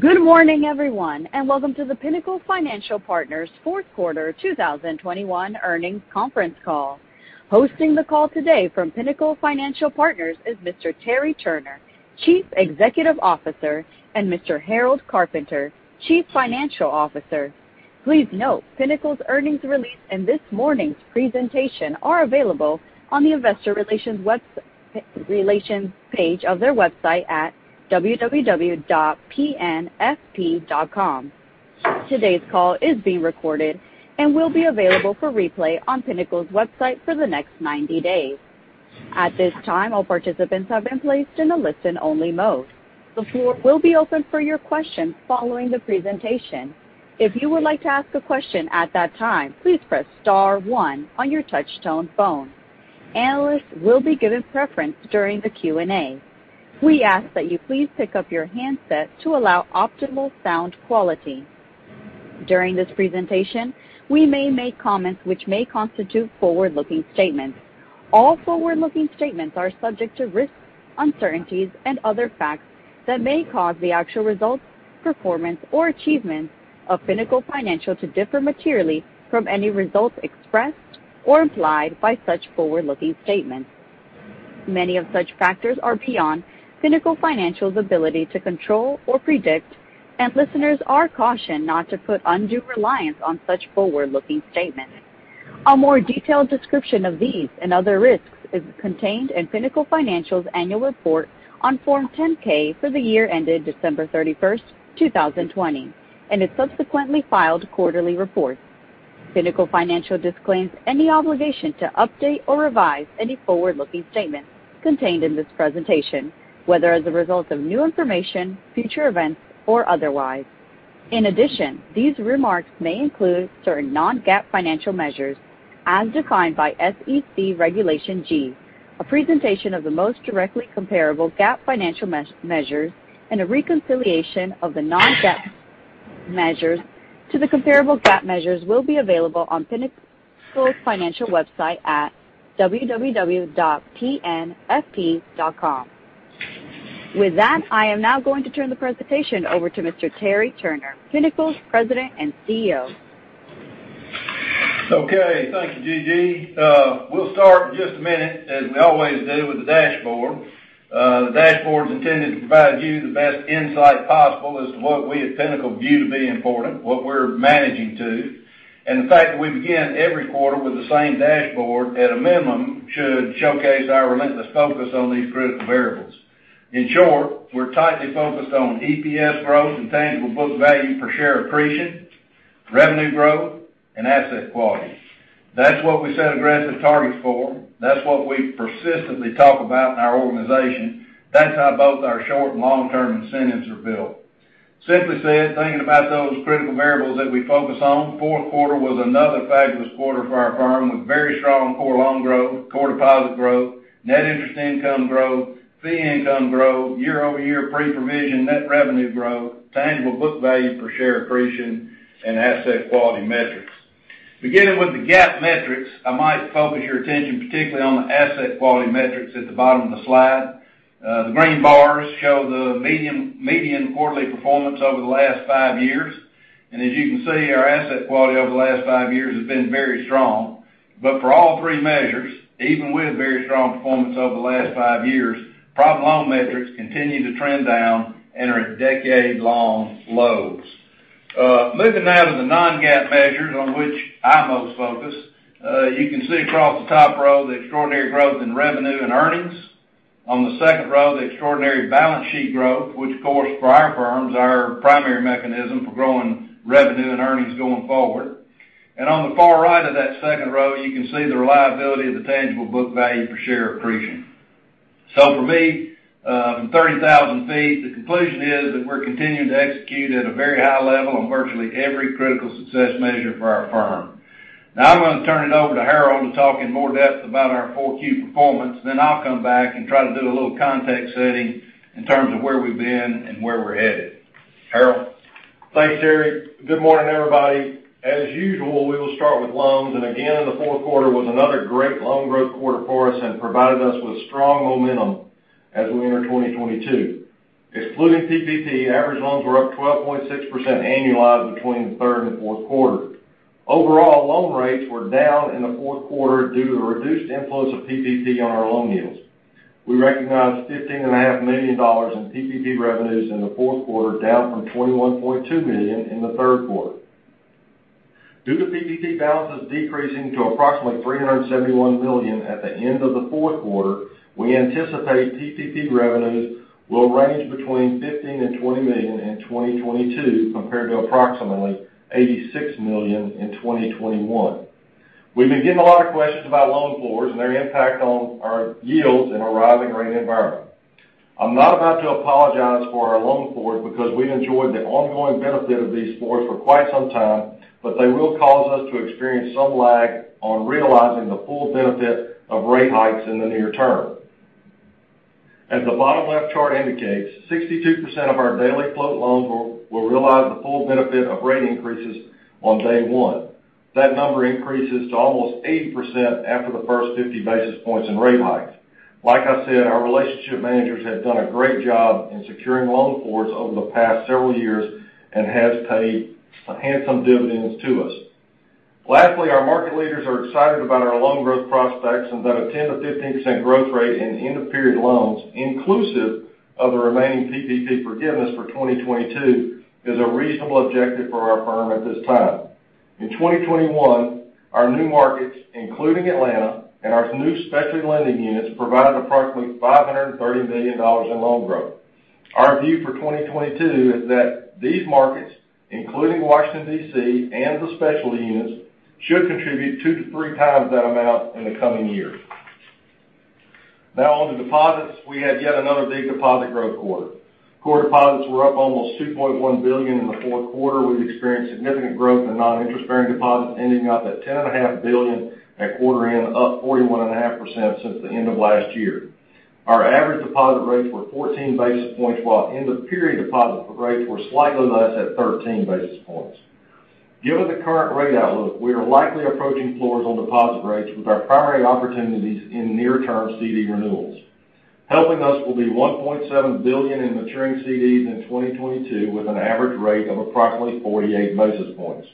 Good morning, everyone, and welcome to the Pinnacle Financial Partners Fourth Quarter 2021 Earnings conference call. Hosting the call today from Pinnacle Financial Partners is Mr. Terry Turner, Chief Executive Officer, and Mr. Harold Carpenter, Chief Financial Officer. Please note Pinnacle's earnings release and this morning's presentation are available on the investor relations page of their website at www.pnfp.com. Today's call is being recorded and will be available for replay on Pinnacle's website for the next 90 days. At this time, all participants have been placed in a listen-only mode. The floor will be open for your questions following the presentation. If you would like to ask a question at that time, please press star one on your touchtone phone. Analysts will be given preference during the Q&A. We ask that you please pick up your handset to allow optimal sound quality. During this presentation, we may make comments which may constitute forward-looking statements. All forward-looking statements are subject to risks, uncertainties and other facts that may cause the actual results, performance or achievements of Pinnacle Financial to differ materially from any results expressed or implied by such forward-looking statements. Many of such factors are beyond Pinnacle Financial's ability to control or predict, and listeners are cautioned not to put undue reliance on such forward-looking statements. A more detailed description of these and other risks is contained in Pinnacle Financial's annual report on Form 10-K for the year ended December 31st, 2020, and in subsequently filed quarterly reports. Pinnacle Financial disclaims any obligation to update or revise any forward-looking statements contained in this presentation, whether as a result of new information, future events, or otherwise. In addition, these remarks may include certain non-GAAP financial measures as defined by SEC Regulation G. A presentation of the most directly comparable GAAP financial measures and a reconciliation of the non-GAAP measures to the comparable GAAP measures will be available on Pinnacle Financial website at www.pnfp.com. With that, I am now going to turn the presentation over to Mr. Terry Turner, Pinnacle's President and CEO. Okay. Thank you, Gigi. We'll start in just a minute, as we always do, with the dashboard. The dashboard is intended to provide you the best insight possible as to what we at Pinnacle view to be important, what we're managing to. The fact that we begin every quarter with the same dashboard, at a minimum, should showcase our relentless focus on these critical variables. In short, we're tightly focused on EPS growth and tangible book value per share accretion, revenue growth, and asset quality. That's what we set aggressive targets for. That's what we persistently talk about in our organization. That's how both our short and long-term incentives are built. Simply said, thinking about those critical variables that we focus on, fourth quarter was another fabulous quarter for our firm, with very strong core loan growth, core deposit growth, net interest income growth, fee income growth, year-over-year pre-provision net revenue growth, tangible book value per share accretion, and asset quality metrics. Beginning with the GAAP metrics, I might focus your attention, particularly on the asset quality metrics at the bottom of the slide. The green bars show the median quarterly performance over the last five years. As you can see, our asset quality over the last five years has been very strong. For all three measures, even with very strong performance over the last five years, problem loan metrics continue to trend down and are at decade-long lows. Looking now to the non-GAAP measures, on which I'm most focused, you can see across the top row the extraordinary growth in revenue and earnings. On the second row, the extraordinary balance sheet growth, which of course for our firms, are our primary mechanism for growing revenue and earnings going forward. On the far right of that second row, you can see the reliability of the tangible book value per share accretion. For me, from thirty thousand feet, the conclusion is that we're continuing to execute at a very high level on virtually every critical success measure for our firm. Now I'm going to turn it over to Harold to talk in more depth about our 4Q performance. I'll come back and try to do a little context setting in terms of where we've been and where we're headed. Harold. Thanks, Terry. Good morning, everybody. As usual, we will start with loans. Again, the fourth quarter was another great loan growth quarter for us and provided us with strong momentum as we enter 2022. Excluding PPP, average loans were up 12.6% annualized between the third and fourth quarter. Overall, loan rates were down in the fourth quarter due to the reduced influence of PPP on our loan yields. We recognized $15.5 million in PPP revenues in the fourth quarter, down from $21.2 million in the third quarter. Due to PPP balances decreasing to approximately $371 million at the end of the fourth quarter, we anticipate PPP revenues will range between $15 million and $20 million in 2022, compared to approximately $86 million in 2021. We've been getting a lot of questions about loan floors and their impact on our yields in a rising rate environment. I'm not about to apologize for our loan floors because we enjoyed the ongoing benefit of these floors for quite some time, but they will cause us to experience some lag on realizing the full benefit of rate hikes in the near term. As the bottom left chart indicates, 62% of our daily float loans will realize the full benefit of rate increases on day one. That number increases to almost 80% after the first 50 basis points in rate hikes. Like I said, our relationship managers have done a great job in securing loan floors over the past several years and has paid handsome dividends to us. Lastly, our market leaders are excited about our loan growth prospects and that a 10%-15% growth rate in end-of-period loans, inclusive of the remaining PPP forgiveness for 2022, is a reasonable objective for our firm at this time. In 2021, our new markets, including Atlanta, and our new specialty lending units provided approximately $530 million in loan growth. Our view for 2022 is that these markets, including Washington, D.C., and the specialty units, should contribute 2x-3x that amount in the coming year. Now on the deposits, we had yet another big deposit growth quarter. Core deposits were up almost $2.1 billion in the fourth quarter. We've experienced significant growth in non-interest-bearing deposits, ending up at $10.5 billion at quarter end, up 41.5% since the end of last year. Our average deposit rates were 14 basis points, while end-of-period deposit rates were slightly less at 13 basis points. Given the current rate outlook, we are likely approaching floors on deposit rates with our primary opportunities in near-term CD renewals. Helping us will be $1.7 billion in maturing CDs in 2022, with an average rate of approximately 48 basis points.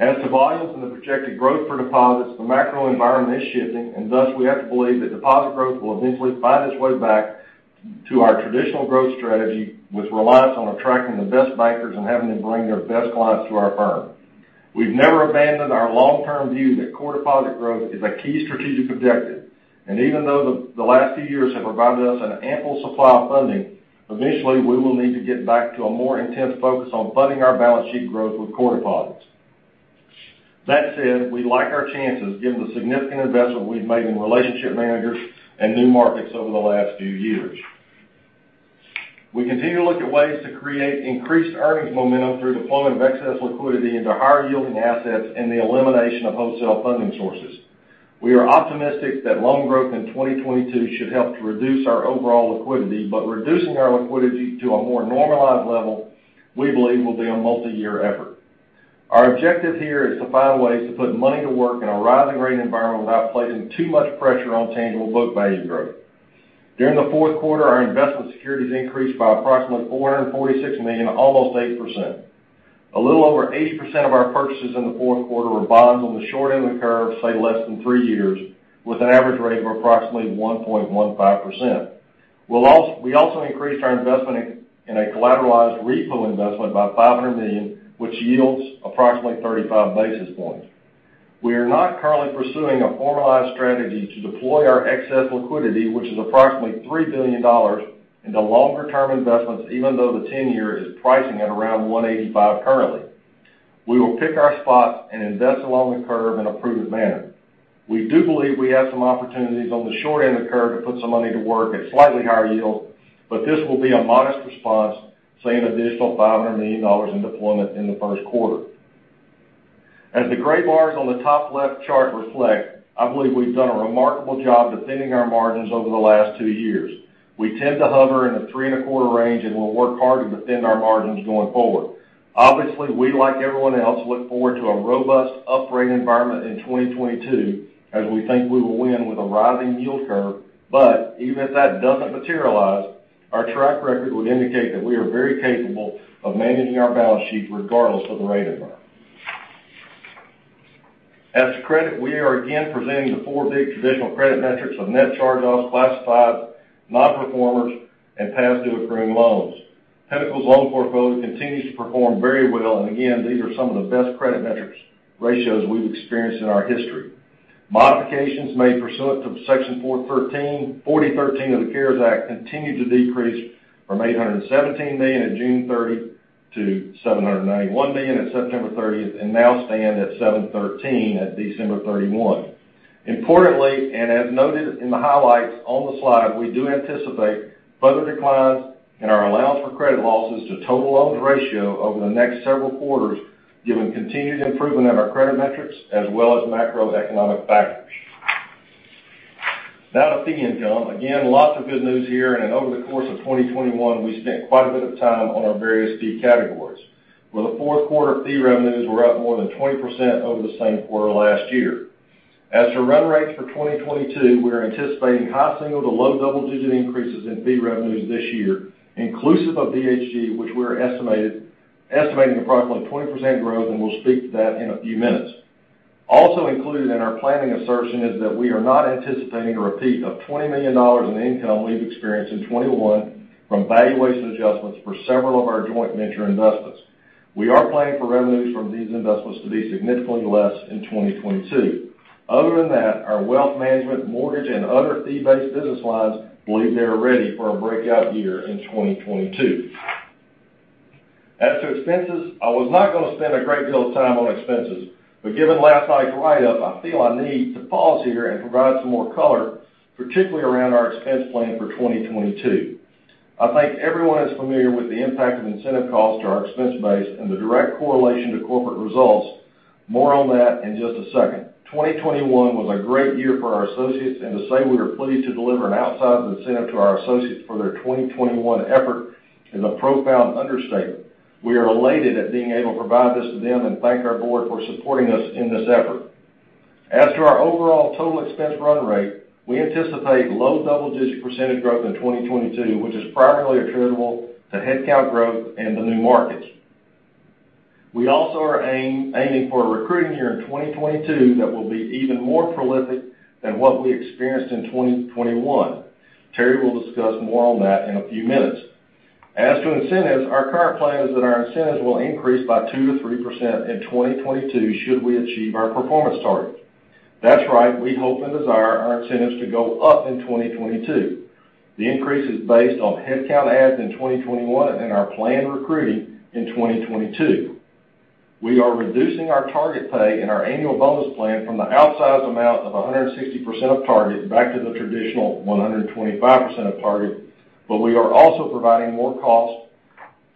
As to volumes and the projected growth for deposits, the macro environment is shifting, and thus, we have to believe that deposit growth will eventually find its way back to our traditional growth strategy, which relies on attracting the best bankers and having them bring their best clients to our firm. We've never abandoned our long-term view that core deposit growth is a key strategic objective. Even though the last few years have provided us an ample supply of funding, eventually, we will need to get back to a more intense focus on funding our balance sheet growth with core deposits. That said, we like our chances given the significant investment we've made in relationship managers and new markets over the last few years. We continue to look at ways to create increased earnings momentum through deployment of excess liquidity into higher-yielding assets and the elimination of wholesale funding sources. We are optimistic that loan growth in 2022 should help to reduce our overall liquidity, but reducing our liquidity to a more normalized level, we believe, will be a multi-year effort. Our objective here is to find ways to put money to work in a rising rate environment without placing too much pressure on tangible book value growth. During the fourth quarter, our investment securities increased by approximately $446 million, almost 8%. A little over 80% of our purchases in the fourth quarter were bonds on the short end of the curve, say less than three years, with an average rate of approximately 1.15%. We also increased our investment in a collateralized repo investment by $500 million, which yields approximately 35 basis points. We are not currently pursuing a formalized strategy to deploy our excess liquidity, which is approximately $3 billion, into longer-term investments, even though the 10-year is pricing at around 1.85% currently. We will pick our spots and invest along the curve in a prudent manner. We do believe we have some opportunities on the short end of the curve to put some money to work at slightly higher yields, but this will be a modest response, say an additional $500 million in deployment in the first quarter. As the gray bars on the top left chart reflect, I believe we've done a remarkable job defending our margins over the last two years. We tend to hover in the 3.25% range, and we'll work hard to defend our margins going forward. Obviously, we, like everyone else, look forward to a robust uprate environment in 2022, as we think we will win with a rising yield curve. Even if that doesn't materialize, our track record would indicate that we are very capable of managing our balance sheet regardless of the rate environment. As to credit, we are again presenting the four big traditional credit metrics of net charge-offs, classifieds, nonperformers, and past-due accruing loans. Pinnacle's loan portfolio continues to perform very well, and again, these are some of the best credit metrics ratios we've experienced in our history. Modifications made pursuant to Section 4013 of the CARES Act continued to decrease from $817 million at June 30 to $791 million at September 30 and now stand at $713 million at December 31. Importantly, and as noted in the highlights on the slide, we do anticipate further declines in our allowance for credit losses to total loans ratio over the next several quarters, given continued improvement in our credit metrics as well as macroeconomic factors. Now to fee income. Again, lots of good news here, and over the course of 2021, we spent quite a bit of time on our various fee categories, where the fourth quarter fee revenues were up more than 20% over the same quarter last year. As for run rates for 2022, we are anticipating high single- to low double-digit increases in fee revenues this year, inclusive of BHG, which we're estimating approximately 20% growth, and we'll speak to that in a few minutes. Also included in our planning assertion is that we are not anticipating a repeat of $20 million in income we've experienced in 2021 from valuation adjustments for several of our joint venture investments. We are planning for revenues from these investments to be significantly less in 2022. Other than that, our wealth management, mortgage, and other fee-based business lines believe they are ready for a breakout year in 2022. As to expenses, I was not gonna spend a great deal of time on expenses, but given last night's write-up, I feel I need to pause here and provide some more color, particularly around our expense plan for 2022. I think everyone is familiar with the impact of incentive costs to our expense base and the direct correlation to corporate results. More on that in just a second. 2021 was a great year for our associates, and to say we were pleased to deliver an outsized incentive to our associates for their 2021 effort is a profound understatement. We are elated at being able to provide this to them and thank our board for supporting us in this effort. As to our overall total expense run rate, we anticipate low double-digit % growth in 2022, which is primarily attributable to headcount growth and the new markets. We also are aiming for a recruiting year in 2022 that will be even more prolific than what we experienced in 2021. Terry will discuss more on that in a few minutes. As to incentives, our current plan is that our incentives will increase by 2%-3% in 2022 should we achieve our performance targets. That's right. We hope and desire our incentives to go up in 2022. The increase is based on headcount adds in 2021 and our planned recruiting in 2022. We are reducing our target pay and our annual bonus plan from the outsized amount of 160% of target back to the traditional 125% of target. We are also providing more cost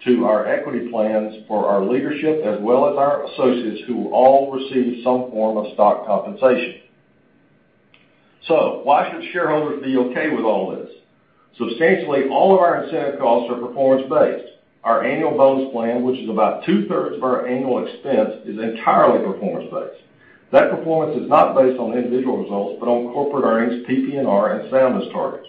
to our equity plans for our leadership as well as our associates who all receive some form of stock compensation. Why should shareholders be okay with all this? Substantially, all of our incentive costs are performance-based. Our annual bonus plan, which is about 2/3 of our annual expense, is entirely performance-based. That performance is not based on individual results, but on corporate earnings, PPNR, and soundness targets.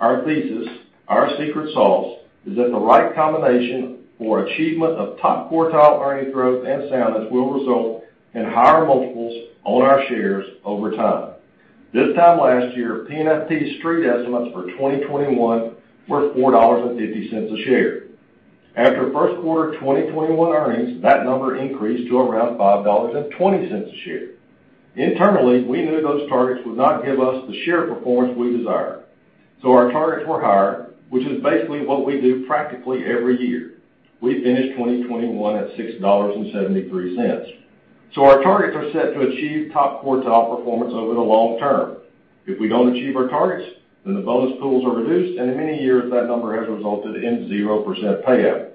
Our thesis, our secret sauce, is that the right combination for achievement of top quartile earnings growth and soundness will result in higher multiples on our shares over time. This time last year, PNFP street estimates for 2021 were $4.50 a share. After first quarter 2021 earnings, that number increased to around $5.20 a share. Internally, we knew those targets would not give us the share performance we desire. Our targets were higher, which is basically what we do practically every year. We finished 2021 at $6.73. Our targets are set to achieve top quartile performance over the long term. If we don't achieve our targets, then the bonus pools are reduced, and in many years that number has resulted in 0% payout.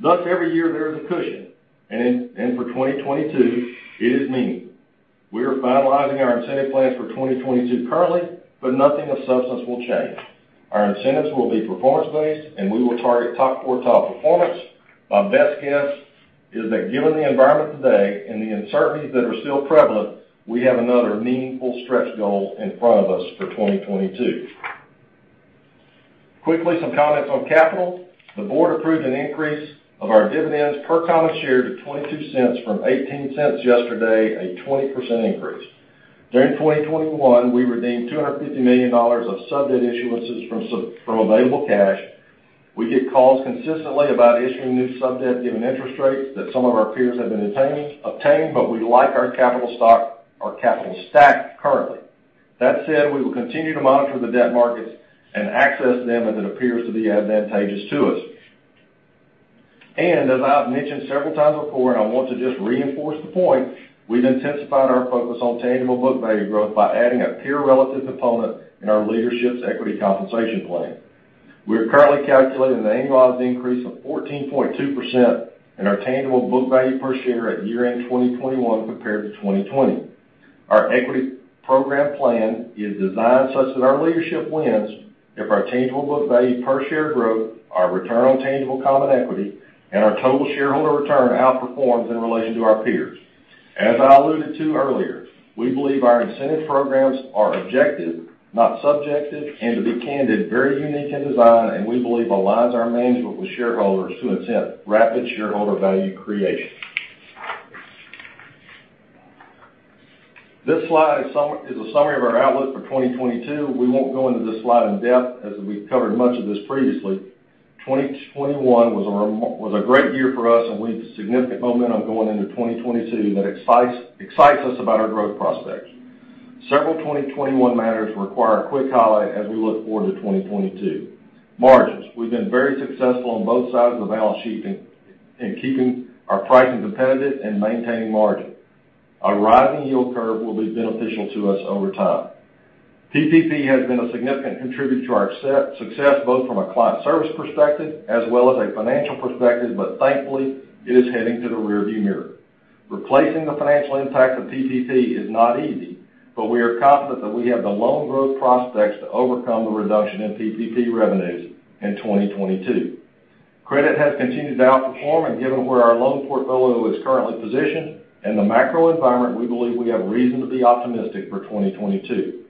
Thus, every year there is a cushion, and for 2022, it is meaningful. We are finalizing our incentive plans for 2022 currently, but nothing of substance will change. Our incentives will be performance-based, and we will target top quartile performance. My best guess is that given the environment today and the uncertainties that are still prevalent, we have another meaningful stretch goal in front of us for 2022. Quickly, some comments on capital. The board approved an increase of our dividends per common share to $0.22 from $0.18 yesterday, a 20% increase. During 2021, we redeemed $250 million of sub-debt issuances from available cash. We get calls consistently about issuing new sub-debt given interest rates that some of our peers have obtained, but we like our capital stock, our capital stack currently. That said, we will continue to monitor the debt markets and access them as it appears to be advantageous to us. As I've mentioned several times before, and I want to just reinforce the point, we've intensified our focus on tangible book value growth by adding a peer relative component in our leadership's equity compensation plan. We are currently calculating an annualized increase of 14.2% in our tangible book value per share at year-end 2021 compared to 2020. Our equity program plan is designed such that our leadership wins if our tangible book value per share growth, our return on tangible common equity, and our total shareholder return outperforms in relation to our peers. As I alluded to earlier, we believe our incentive programs are objective, not subjective, and to be candid, very unique in design, and we believe aligns our management with shareholders to attempt rapid shareholder value creation. This slide is a summary of our outlook for 2022. We won't go into this slide in depth as we've covered much of this previously. 2021 was a great year for us, and we have significant momentum going into 2022 that excites us about our growth prospects. Several 2021 matters require a quick highlight as we look forward to 2022. Margins. We've been very successful on both sides of the balance sheet in keeping our pricing competitive and maintaining margin. A rising yield curve will be beneficial to us over time. PPP has been a significant contributor to our success, both from a client service perspective as well as a financial perspective, but thankfully, it is heading to the rearview mirror. Replacing the financial impact of PPP is not easy, but we are confident that we have the loan growth prospects to overcome the reduction in PPP revenues in 2022. Credit has continued to outperform, and given where our loan portfolio is currently positioned and the macro environment, we believe we have reason to be optimistic for 2022.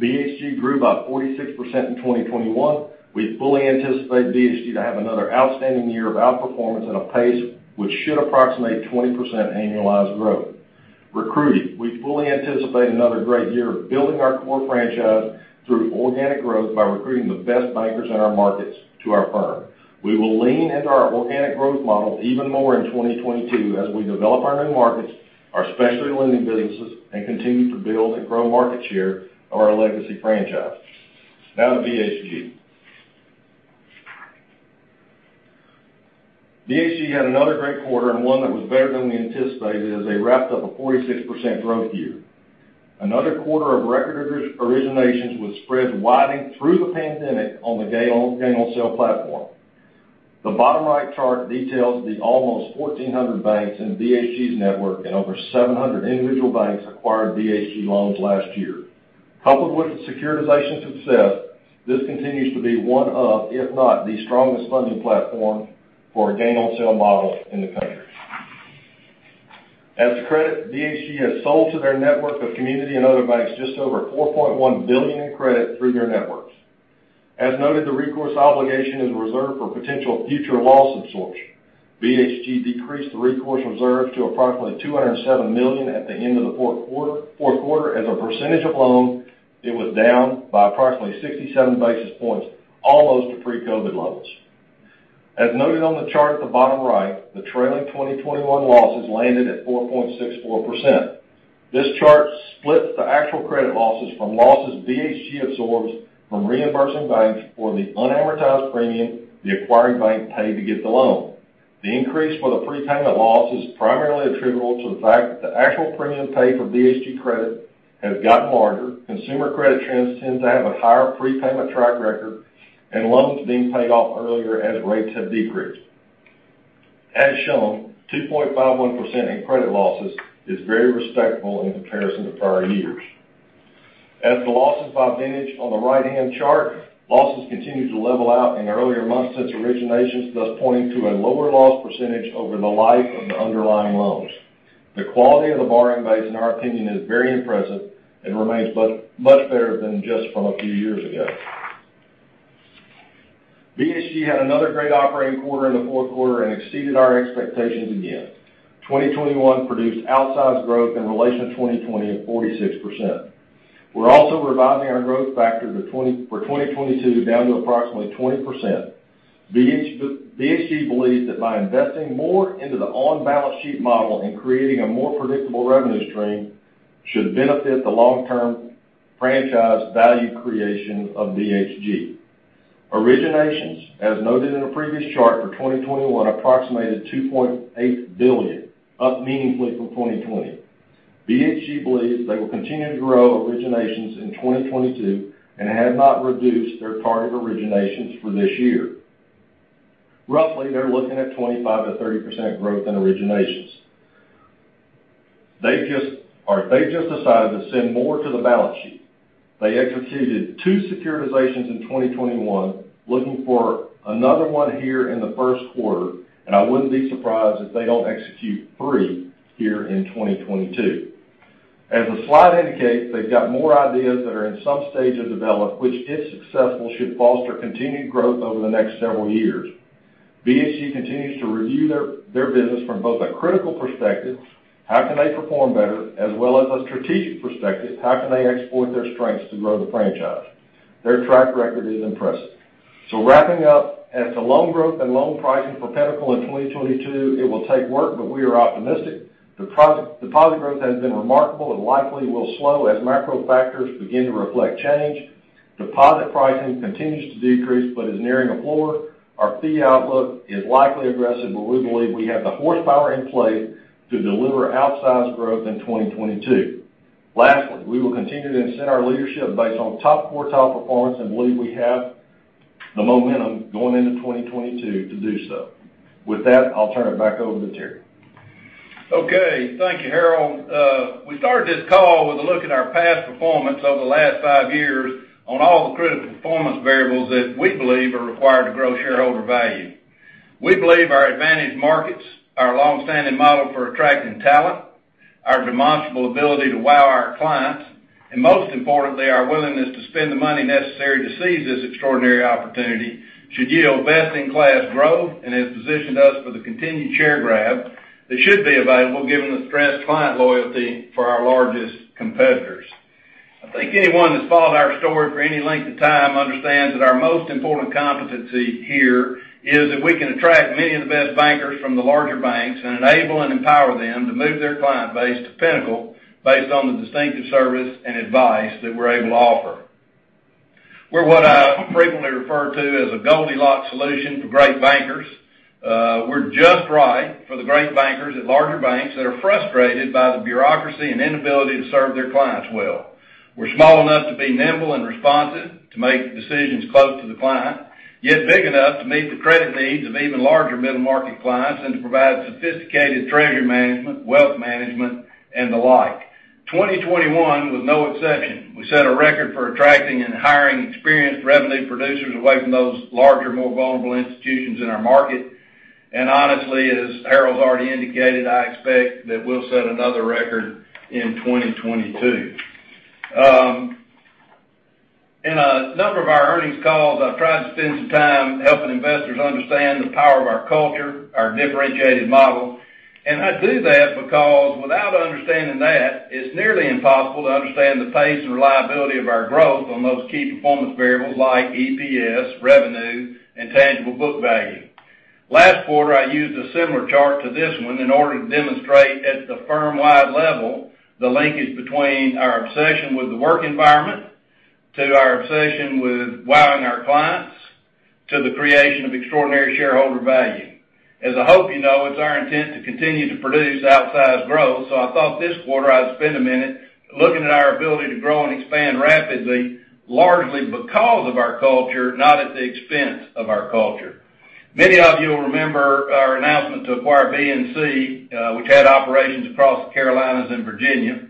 BHG grew by 46% in 2021. We fully anticipate BHG to have another outstanding year of outperformance at a pace which should approximate 20% annualized growth. Recruiting. We fully anticipate another great year of building our core franchise through organic growth by recruiting the best bankers in our markets to our firm. We will lean into our organic growth model even more in 2022 as we develop our new markets, our specialty lending businesses, and continue to build and grow market share of our legacy franchise. Now to BHG. BHG had another great quarter and one that was better than we anticipated as they wrapped up a 46% growth year. Another quarter of record originations with spreads widening through the pandemic on the gain on sale platform. The bottom right chart details the almost 1,400 banks in BHG's network and over 700 individual banks acquired BHG loans last year. Coupled with the securitization success, this continues to be one of, if not, the strongest funding platform for a gain on sale model in the country. As a credit, BHG has sold to their network of community and other banks just over $4.1 billion in credit through their networks. As noted, the recourse obligation is reserved for potential future loss absorption. BHG decreased the recourse reserve to approximately $207 million at the end of the fourth quarter. As a percentage of loan, it was down by approximately 67 basis points, almost to pre-COVID levels. As noted on the chart at the bottom right, the trailing 2021 losses landed at 4.64%. This chart splits the actual credit losses from losses BHG absorbs from reimbursing banks for the unamortized premium the acquiring bank paid to get the loan. The increase for the prepayment loss is primarily attributable to the fact that the actual premium paid for BHG credit has gotten larger, consumer credit trends tend to have a higher prepayment track record, and loans being paid off earlier as rates have decreased. As shown, 2.51% in credit losses is very respectable in comparison to prior years. As the losses by vintage on the right-hand chart, losses continue to level out in earlier months since originations, thus pointing to a lower loss percentage over the life of the underlying loans. The quality of the borrowing base, in our opinion, is very impressive and remains much better than just from a few years ago. BHG had another great operating quarter in the fourth quarter and exceeded our expectations again. 2021 produced outsized growth in relation to 2020 of 46%. We're also revising our growth factor to 20% for 2022 down to approximately 20%. BHG believes that by investing more into the on-balance sheet model and creating a more predictable revenue stream should benefit the long-term franchise value creation of BHG. Originations, as noted in a previous chart for 2021, approximated $2.8 billion, up meaningfully from 2020. BHG believes they will continue to grow originations in 2022 and have not reduced their target originations for this year. Roughly, they're looking at 25%-30% growth in originations. They've just decided to send more to the balance sheet. They executed two securitizations in 2021, looking for another one here in the first quarter, and I wouldn't be surprised if they don't execute three here in 2022. As the slide indicates, they've got more ideas that are in some stage of development, which, if successful, should foster continued growth over the next several years. BHG continues to review their business from both a critical perspective, how can they perform better, as well as a strategic perspective, how can they exploit their strengths to grow the franchise? Their track record is impressive. Wrapping up, as to loan growth and loan pricing for Pinnacle in 2022, it will take work, but we are optimistic. The core deposit growth has been remarkable and likely will slow as macro factors begin to reflect change. Deposit pricing continues to decrease but is nearing a floor. Our fee outlook is likely aggressive, but we believe we have the horsepower in play to deliver outsized growth in 2022. Lastly, we will continue to incent our leadership based on top quartile performance and believe we have the momentum going into 2022 to do so. With that, I'll turn it back over to Terry. Okay. Thank you, Harold. We started this call with a look at our past performance over the last five years on all the critical performance variables that we believe are required to grow shareholder value. We believe our advantage markets, our long-standing model for attracting talent, our demonstrable ability to wow our clients, and most importantly, our willingness to spend the money necessary to seize this extraordinary opportunity, should yield best-in-class growth and has positioned us for the continued share grab that should be available given the stressed client loyalty for our largest competitors. I think anyone that's followed our story for any length of time understands that our most important competency here is that we can attract many of the best bankers from the larger banks and enable and empower them to move their client base to Pinnacle based on the distinctive service and advice that we're able to offer. We're what I frequently refer to as a Goldilocks solution for great bankers. We're just right for the great bankers at larger banks that are frustrated by the bureaucracy and inability to serve their clients well. We're small enough to be nimble and responsive, to make decisions close to the client, yet big enough to meet the credit needs of even larger middle-market clients and to provide sophisticated treasury management, wealth management, and the like. 2021 was no exception. We set a record for attracting and hiring experienced revenue producers away from those larger, more vulnerable institutions in our market. Honestly, as Harold's already indicated, I expect that we'll set another record in 2022. In a number of our earnings calls, I've tried to spend some time helping investors understand the power of our culture, our differentiated model, and I do that because without understanding that, it's nearly impossible to understand the pace and reliability of our growth on those key performance variables like EPS, revenue, and tangible book value. Last quarter, I used a similar chart to this one in order to demonstrate at the firm-wide level the linkage between our obsession with the work environment, to our obsession with wowing our clients, to the creation of extraordinary shareholder value. As I hope you know, it's our intent to continue to produce outsized growth. I thought this quarter I'd spend a minute looking at our ability to grow and expand rapidly, largely because of our culture, not at the expense of our culture. Many of you will remember our announcement to acquire BNC, which had operations across the Carolinas and Virginia.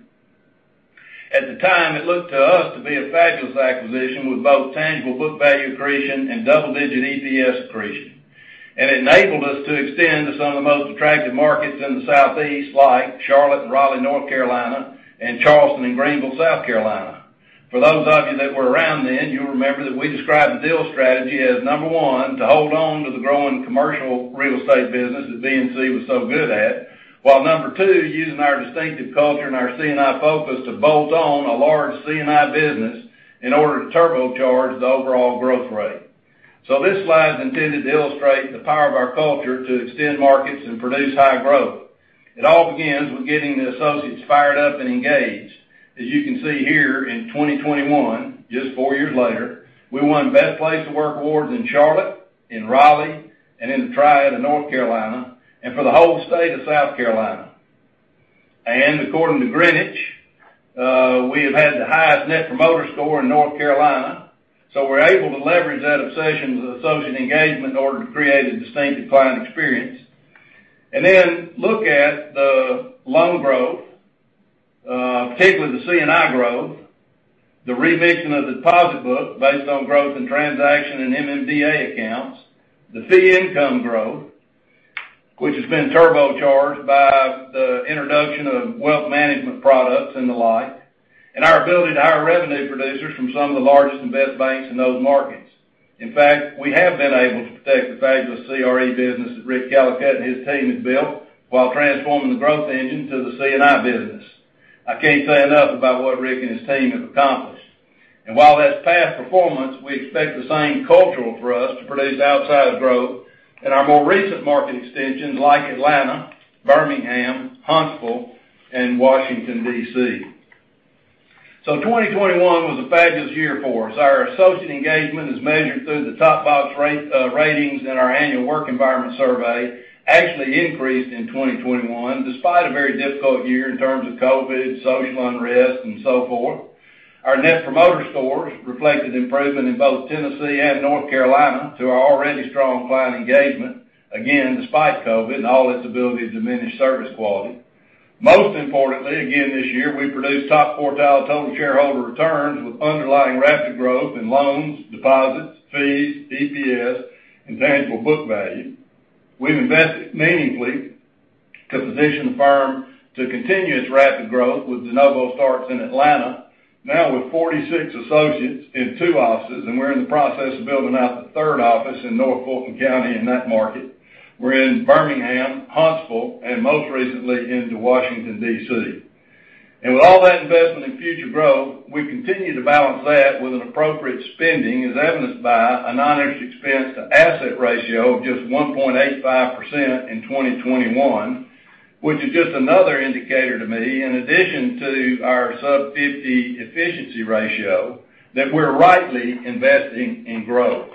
At the time, it looked to us to be a fabulous acquisition with both tangible book value accretion and double-digit EPS accretion. It enabled us to extend to some of the most attractive markets in the Southeast, like Charlotte and Raleigh, North Carolina, and Charleston and Greenville, South Carolina.For those of you that were around then, you'll remember that we described the deal strategy as, number one, to hold on to the growing commercial real estate business that BNC was so good at, while, number two, using our distinctive culture and our C&I focus to bolt on a large C&I business in order to turbocharge the overall growth rate. This slide is intended to illustrate the power of our culture to extend markets and produce high growth. It all begins with getting the associates fired up and engaged. As you can see here in 2021, just four years later, we won Best Place to Work awards in Charlotte, in Raleigh, and in the Triad of North Carolina, and for the whole state of South Carolina. According to Greenwich, we have had the highest net promoter score in North Carolina. We're able to leverage that obsession with associate engagement in order to create a distinctive client experience. Look at the loan growth, particularly the C&I growth, the revision of the deposit book based on growth in transaction and MMDA accounts, the fee income growth, which has been turbocharged by the introduction of wealth management products and the like, and our ability to hire revenue producers from some of the largest and best banks in those markets. In fact, we have been able to protect the fabulous CRE business that Rick Callicutt and his team have built while transforming the growth engine to the C&I business. I can't say enough about what Rick and his team have accomplished. While that's past performance, we expect the same cultural thrust to produce outsized growth in our more recent market extensions like Atlanta, Birmingham, Huntsville, and Washington, DC 2021 was a fabulous year for us. Our associate engagement is measured through the top box ratings in our annual work environment survey actually increased in 2021, despite a very difficult year in terms of COVID, social unrest, and so forth. Our net promoter scores reflected improvement in both Tennessee and North Carolina adding to our already strong client engagement, again, despite COVID and all its ability to diminish service quality. Most importantly, again, this year, we produced top quartile total shareholder returns with underlying rapid growth in loans, deposits, fees, EPS, and tangible book value. We've invested meaningfully to position the firm to continue its rapid growth with de novo starts in Atlanta, now with 46 associates in two offices, and we're in the process of building out the third office in North Fulton County in that market. We're in Birmingham, Huntsville, and most recently into Washington, DC With all that investment in future growth, we continue to balance that with an appropriate spending, as evidenced by a non-interest expense-to-asset ratio of just 1.85% in 2021, which is just another indicator to me, in addition to our sub-50 efficiency ratio, that we're rightly investing in growth.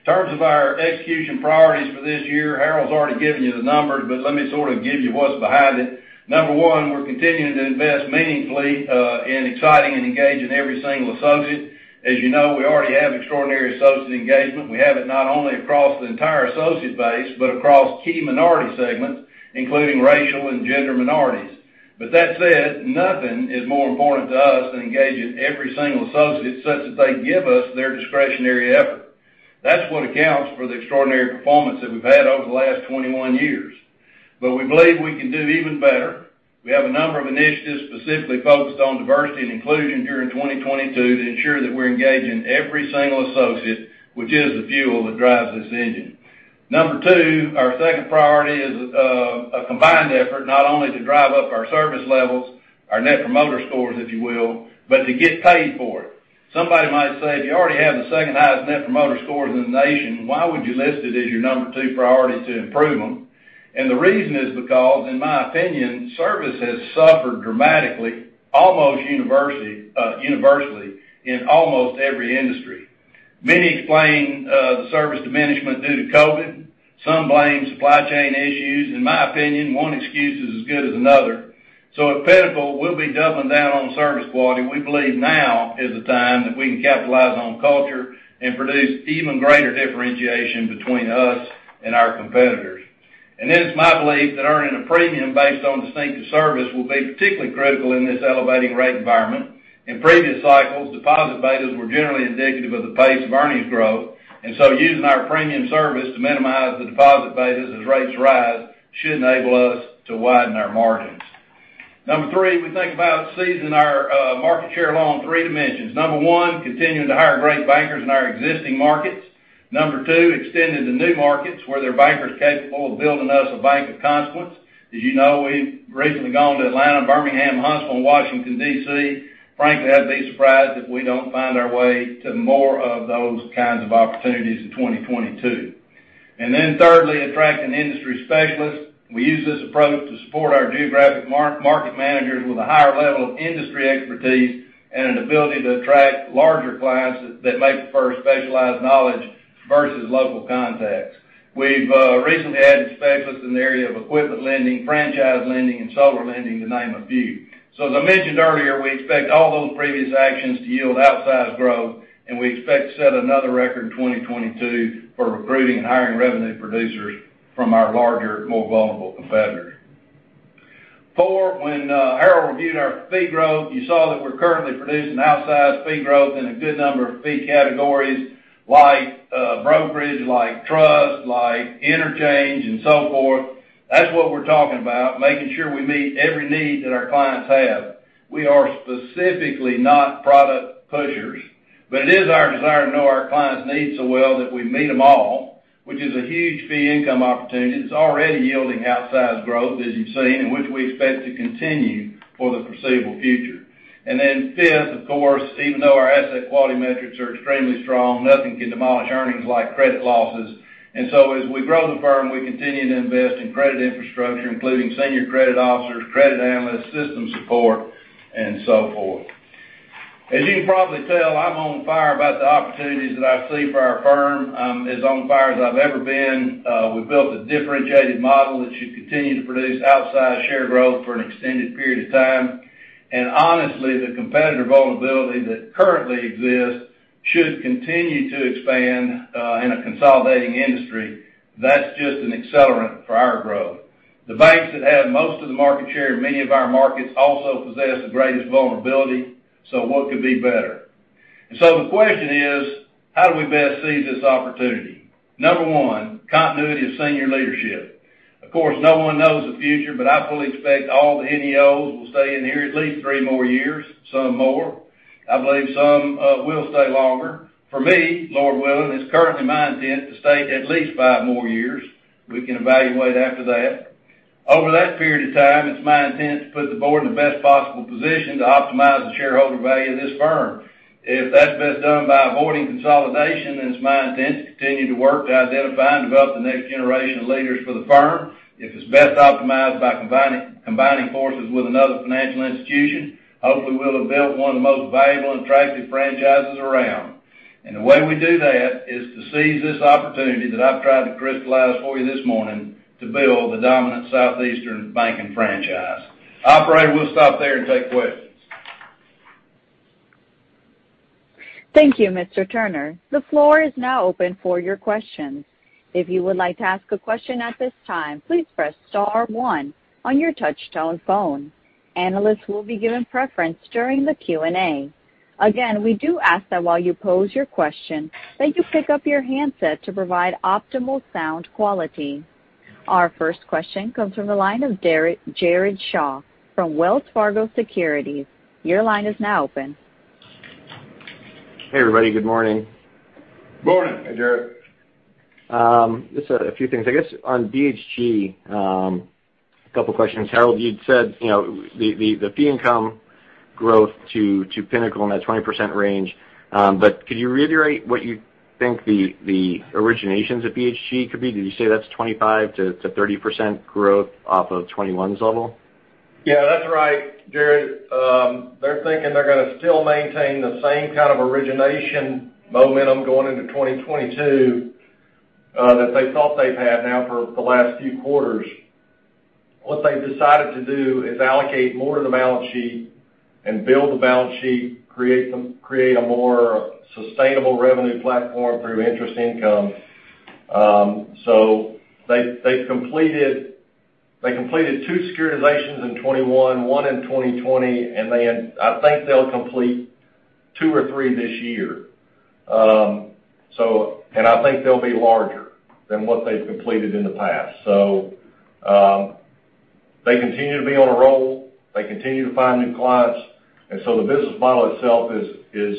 In terms of our execution priorities for this year, Harold's already given you the numbers, but let me sort of give you what's behind it. Number one, we're continuing to invest meaningfully in exciting and engaging every single associate. As you know, we already have extraordinary associate engagement. We have it not only across the entire associate base, but across key minority segments, including racial and gender minorities. That said, nothing is more important to us than engaging every single associate such that they give us their discretionary effort. That's what accounts for the extraordinary performance that we've had over the last 21 years. We believe we can do even better. We have a number of initiatives specifically focused on diversity and inclusion during 2022 to ensure that we're engaging every single associate, which is the fuel that drives this engine. Number two, our second priority is a combined effort, not only to drive up our service levels, our net promoter scores, if you will, but to get paid for it. Somebody might say, if you already have the second-highest net promoter scores in the nation, why would you list it as your number two priority to improve them? The reason is because, in my opinion, service has suffered dramatically, almost universally in almost every industry. Many explain the service diminishment due to COVID. Some blame supply chain issues. In my opinion, one excuse is as good as another. At Pinnacle, we'll be doubling down on service quality. We believe now is the time that we can capitalize on culture and produce even greater differentiation between us and our competitors. It is my belief that earning a premium based on distinctive service will be particularly critical in this elevating rate environment. In previous cycles, deposit betas were generally indicative of the pace of earnings growth, and so using our premium service to minimize the deposit betas as rates rise should enable us to widen our margins. Number three, we think about seizing our market share along three dimensions. Number one, continuing to hire great bankers in our existing markets. Number two, extending to new markets where their banker is capable of building us a bank of consequence. As you know, we've recently gone to Atlanta, Birmingham, Huntsville, and Washington, DC Frankly, I'd be surprised if we don't find our way to more of those kinds of opportunities in 2022. Then thirdly, attracting industry specialists. We use this approach to support our geographic market managers with a higher level of industry expertise and an ability to attract larger clients that may prefer specialized knowledge versus local contacts. We've recently added specialists in the area of equipment lending, franchise lending, and solar lending, to name a few. As I mentioned earlier, we expect all those previous actions to yield outsized growth, and we expect to set another record in 2022 for recruiting and hiring revenue producers from our larger, more vulnerable competitors. Four, when Harold reviewed our fee growth, you saw that we're currently producing outsized fee growth in a good number of fee categories, like brokerage, like trust, like interchange and so forth. That's what we're talking about, making sure we meet every need that our clients have. We are specifically not product pushers, but it is our desire to know our clients' needs so well that we meet them all, which is a huge fee income opportunity. It's already yielding outsized growth, as you've seen, and which we expect to continue for the foreseeable future. Then fifth, of course, even though our asset quality metrics are extremely strong, nothing can demolish earnings like credit losses. As we grow the firm, we continue to invest in credit infrastructure, including senior credit officers, credit analysts, system support, and so forth. As you can probably tell, I'm on fire about the opportunities that I see for our firm. I'm as on fire as I've ever been. We've built a differentiated model that should continue to produce outsized share growth for an extended period of time. Honestly, the competitive vulnerability that currently exists should continue to expand in a consolidating industry. That's just an accelerant for our growth. The banks that have most of the market share in many of our markets also possess the greatest vulnerability, so what could be better? The question is, how do we best seize this opportunity? Number one, continuity of senior leadership. Of course, no one knows the future, but I fully expect all the NEOs will stay in here at least three more years, some more. I believe some will stay longer. For me, Lord willing, it's currently my intent to stay at least five more years. We can evaluate after that. Over that period of time, it's my intent to put the board in the best possible position to optimize the shareholder value of this firm. If that's best done by avoiding consolidation, then it's my intent to continue to work to identify and develop the next generation of leaders for the firm. If it's best optimized by combining forces with another financial institution, hopefully we'll have built one of the most valuable and attractive franchises around. The way we do that is to seize this opportunity that I've tried to crystallize for you this morning to build the dominant Southeastern banking franchise. Operator, we'll stop there and take questions. Thank you, Mr. Turner. The floor is now open for your questions. If you would like to ask a question at this time, please press star one on your touch-tone phone. Analysts will be given preference during the Q&A. Again, we do ask that while you pose your question, that you pick up your handset to provide optimal sound quality. Our first question comes from the line of Jared Shaw from Wells Fargo Securities. Your line is now open. Hey, everybody. Good morning. Morning. Hey, Jared. Just a few things. I guess on BHG, a couple questions. Harold, you'd said, you know, the fee income growth to Pinnacle in that 20% range, but could you reiterate what you think the originations at BHG could be? Did you say that's 25%-30% growth off of 2021's level? Yeah, that's right, Jared. They're thinking they're gonna still maintain the same kind of origination momentum going into 2022, that they thought they've had now for the last few quarters. What they've decided to do is allocate more to the balance sheet and build the balance sheet, create a more sustainable revenue platform through interest income. They've completed two securitizations in 2021, one in 2020, and I think they'll complete two or three this year. I think they'll be larger than what they've completed in the past. They continue to be on a roll. They continue to find new clients. The business model itself is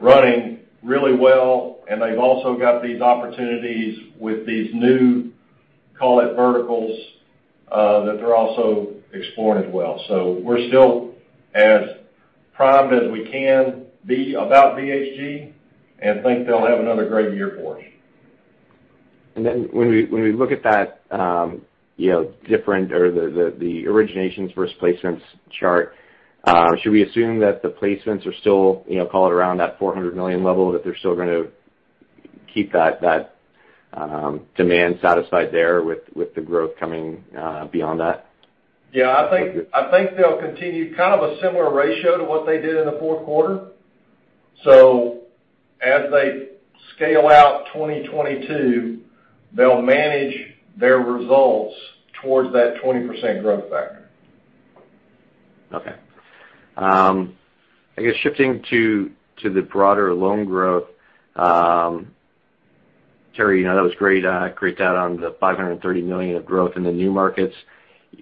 running really well, and they've also got these opportunities with these new, call it verticals, that they're also exploring as well. We're still as primed as we can be about BHG and think they'll have another great year for us. When we look at that, you know, different or the originations versus placements chart, should we assume that the placements are still, you know, call it around that $400 million level, that they're still gonna keep that demand satisfied there with the growth coming beyond that? Yeah. I think they'll continue kind of a similar ratio to what they did in the fourth quarter. As they scale out 2022, they'll manage their results towards that 20% growth factor. Okay. I guess shifting to the broader loan growth, Terry, you know, that was great data on the $530 million of growth in the new markets.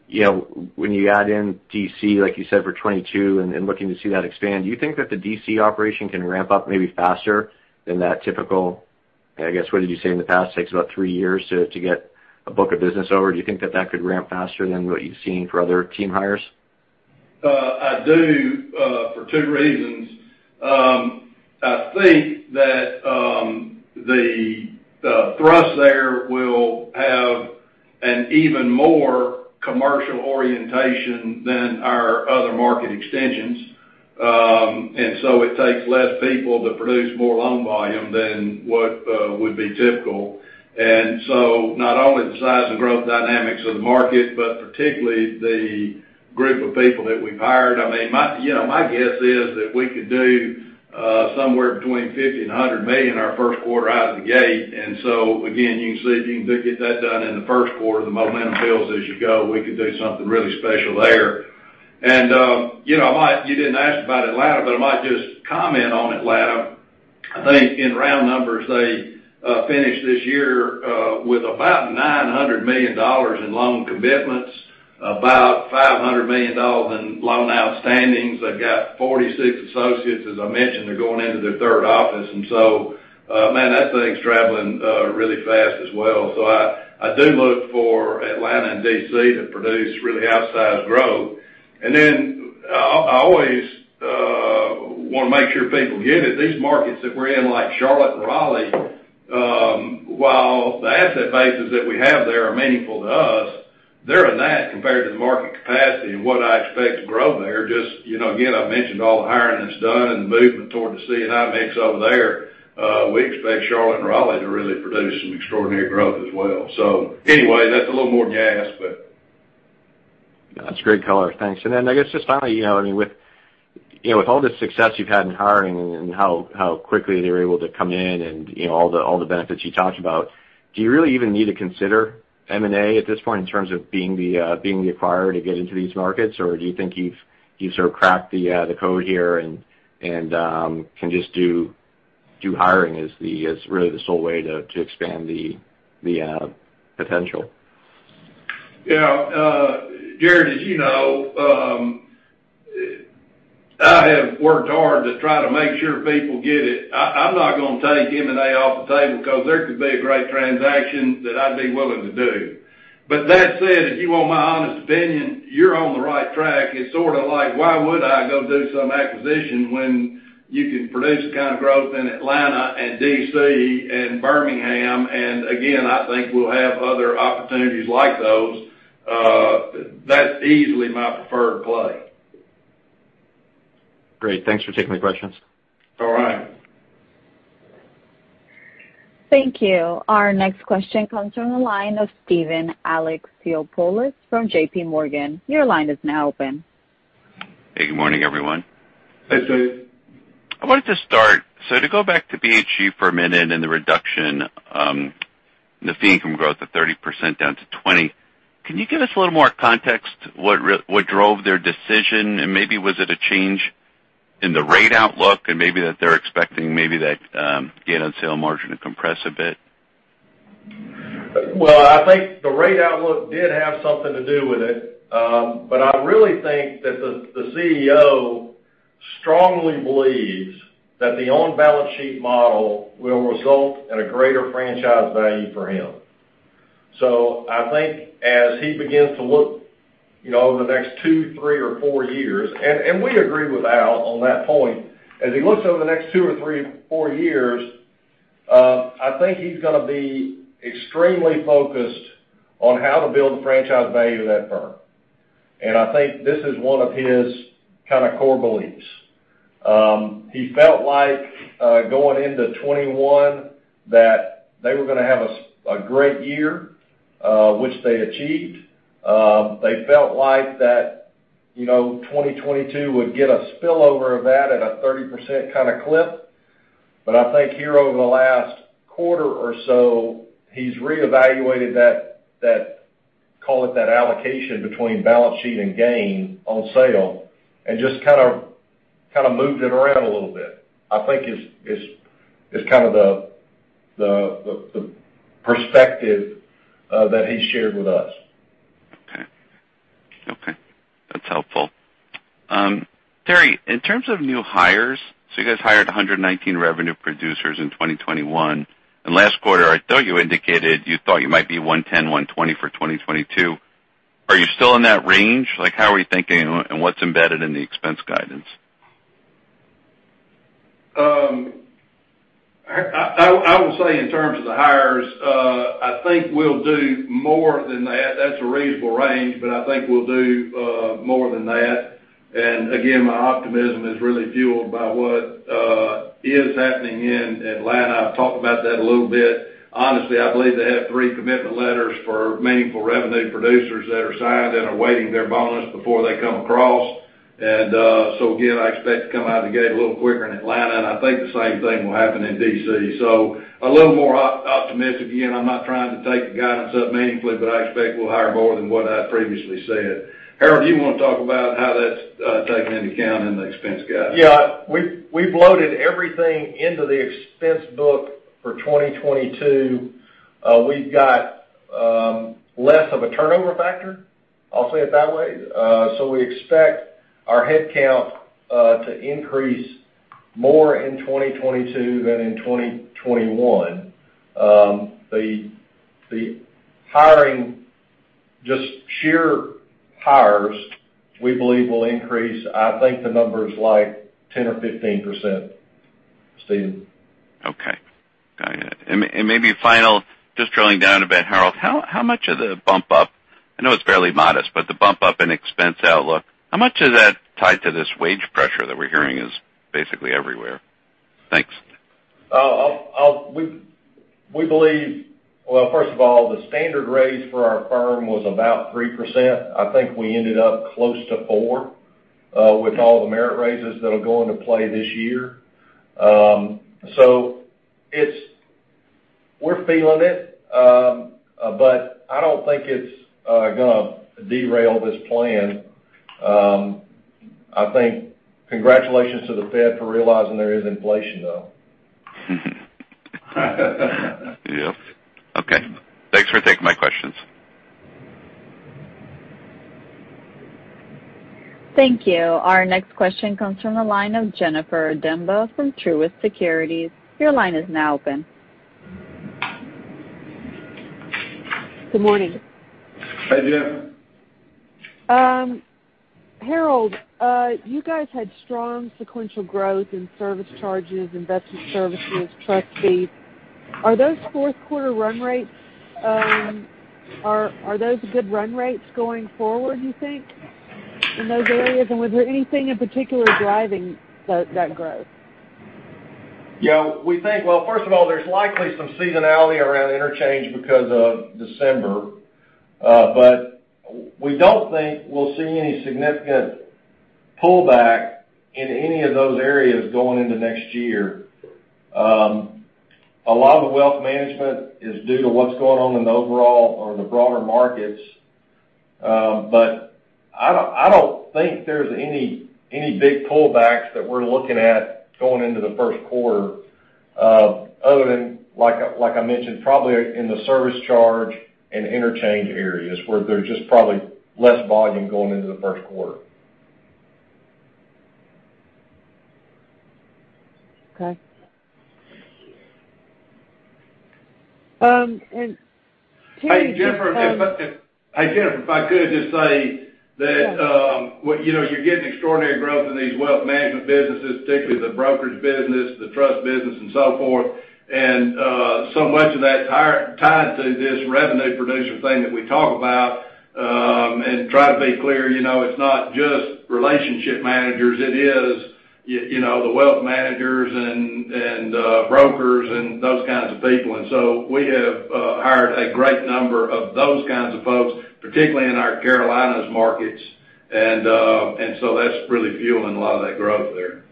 You know, when you add in DC, like you said, for 2022 and looking to see that expand, do you think that the DC operation can ramp up maybe faster than that typical, I guess, what did you say in the past? Takes about three years to get a book of business over. Do you think that could ramp faster than what you've seen for other team hires? I do for two reasons. I think that the thrust there will have an even more commercial orientation than our other market extensions. It takes less people to produce more loan volume than what would be typical. Not only the size and growth dynamics of the market, but particularly the group of people that we've hired. I mean, you know, my guess is that we could do somewhere between $50 million and $100 million in our first quarter out of the gate. Again, you can see if you can get that done in the first quarter, the momentum builds as you go. We could do something really special there. You know, I might just comment on Atlanta. You didn't ask about Atlanta, but I might just comment on Atlanta. I think in round numbers, they finished this year with about $900 million in loan commitments, about $500 million in loan outstandings. They've got 46 associates, as I mentioned. They're going into their third office. Man, that thing's traveling really fast as well. I do look for Atlanta and DC to produce really outsized growth. I always wanna make sure people get it. These markets that we're in, like Charlotte and Raleigh, while the asset bases that we have there are meaningful to us, they're a gnat compared to the market capacity and what I expect to grow there. Just, you know, again, I've mentioned all the hiring that's done and the movement toward the C&I mix over there. We expect Charlotte and Raleigh to really produce some extraordinary growth as well. That's a little more gas, but. That's great color. Thanks. Then I guess just finally, you know, I mean, with, you know, with all the success you've had in hiring and how quickly they're able to come in and, you know, all the benefits you talked about, do you really even need to consider M&A at this point in terms of being the acquirer to get into these markets? Or do you think you've sort of cracked the code here and can just do hiring as really the sole way to expand the potential? Jared, as you know, I have worked hard to try to make sure people get it. I'm not gonna take M&A off the table because there could be a great transaction that I'd be willing to do. That said, if you want my honest opinion, you're on the right track. It's sorta like, why would I go do some acquisition when you can produce the kind of growth in Atlanta and DC and Birmingham? Again, I think we'll have other opportunities like those. That's easily my preferred play. Great. Thanks for taking my questions. All right. Thank you. Our next question comes from the line of Steven Alexopoulos from JP Morgan. Your line is now open. Hey, good morning, everyone. Hey, Steve. I wanted to start, so to go back to BHG for a minute and the reduction, the fee income growth of 30% down to 20%, can you give us a little more context what drove their decision? Maybe was it a change in the rate outlook and maybe that they're expecting gain on sale margin to compress a bit? Well, I think the rate outlook did have something to do with it. I really think that the CEO strongly believes that the on-balance sheet model will result in a greater franchise value for him. I think as he begins to look, you know, over the next two, three or four years, and we agree with Al on that point. As he looks over the next two or three, four years, I think he's gonna be extremely focused on how to build the franchise value of that firm. I think this is one of his kind of core beliefs. He felt like, going into 2021 that they were gonna have a great year, which they achieved. They felt like that, you know, 2022 would get a spillover of that at a 30% kinda clip. I think here over the last quarter or so, he's reevaluated that, call it that allocation between balance sheet and gain on sale and just kind of moved it around a little bit. I think it is kind of the perspective that he shared with us. Okay. Okay, that's helpful. Terry, in terms of new hires, so you guys hired 119 revenue producers in 2021, and last quarter, I thought you indicated you thought you might be 110, 120 for 2022. Are you still in that range? Like, how are you thinking and what, and what's embedded in the expense guidance? I would say in terms of the hires, I think we'll do more than that. That's a reasonable range, but I think we'll do more than that. Again, my optimism is really fueled by what is happening in Atlanta. I've talked about that a little bit. Honestly, I believe they have three commitment letters for meaningful revenue producers that are signed and are waiting their bonus before they come across. Again, I expect to come out of the gate a little quicker in Atlanta, and I think the same thing will happen in DC A little more optimistic. Again, I'm not trying to take the guidance up meaningfully, but I expect we'll hire more than what I previously said. Harold, do you wanna talk about how that's taken into account in the expense guidance? Yeah. We've loaded everything into the expense book for 2022. We've got less of a turnover factor, I'll say it that way. We expect our headcount to increase more in 2022 than in 2021. The hiring, just sheer hires, we believe will increase, I think the number is like 10% or 15%. Okay. Got it. Maybe final, just drilling down a bit, Harold, how much of the bump up, I know it's fairly modest, but the bump up in expense outlook, how much of that tied to this wage pressure that we're hearing is basically everywhere? Thanks. Well, first of all, the standard raise for our firm was about 3%. I think we ended up close to 4% with all the merit raises that'll go into play this year. It's. We're feeling it. I don't think it's gonna derail this plan. I think congratulations to the Fed for realizing there is inflation, though. Yep. Okay. Thanks for taking my questions. Thank you. Our next question comes from the line of Jennifer Demba from Truist Securities. Your line is now open. Good morning. Hey, Jen. Harold, you guys had strong sequential growth in service charges, investment services, trust fees. Are those fourth quarter run rates, are those good run rates going forward, you think, in those areas? Was there anything in particular driving that growth? Yeah. We think, well, first of all, there's likely some seasonality around interchange because of December. But we don't think we'll see any significant pullback in any of those areas going into next year. A lot of the wealth management is due to what's going on in the overall or the broader markets. But I don't think there's any big pullbacks that we're looking at going into the first quarter, other than, like I mentioned, probably in the service charge and interchange areas where there's just probably less volume going into the first quarter. Okay, Terry. Hey, Jennifer, if I could just say that, you know, you're getting extraordinary growth in these wealth management businesses, particularly the brokerage business, the trust business and so forth. So much of that tied to this revenue producer thing that we talk about, and try to be clear, you know, it's not just relationship managers. It is, you know, the wealth managers and brokers and those kinds of people. We have hired a great number of those kinds of folks, particularly in our Carolinas markets. That's really fueling a lot of that growth there.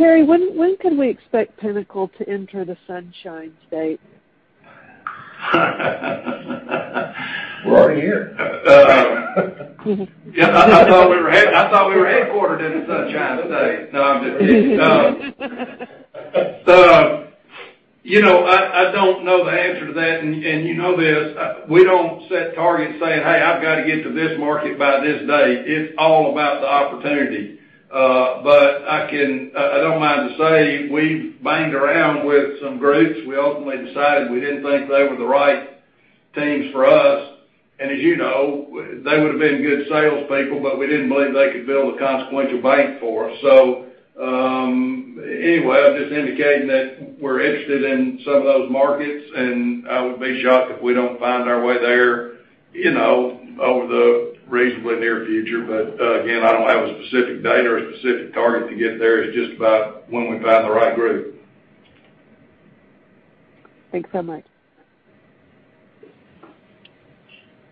Terry, when can we expect Pinnacle to enter the Sunshine State? We're already here. Yeah, I thought we were headquartered in the Sunshine State. No, I'm just kidding. You know, I don't know the answer to that. You know this, we don't set targets saying, "Hey, I've got to get to this market by this day." It's all about the opportunity. I don't mind to say we've banged around with some groups. We ultimately decided we didn't think they were the right teams for us. As you know, they would've been good salespeople, but we didn't believe they could build a consequential bank for us. Anyway, I'm just indicating that we're interested in some of those markets, and I would be shocked if we don't find our way there, you know, over the reasonably near future. Again, I don't have a specific date or a specific target to get there. It's just about when we find the right group. Thanks so much.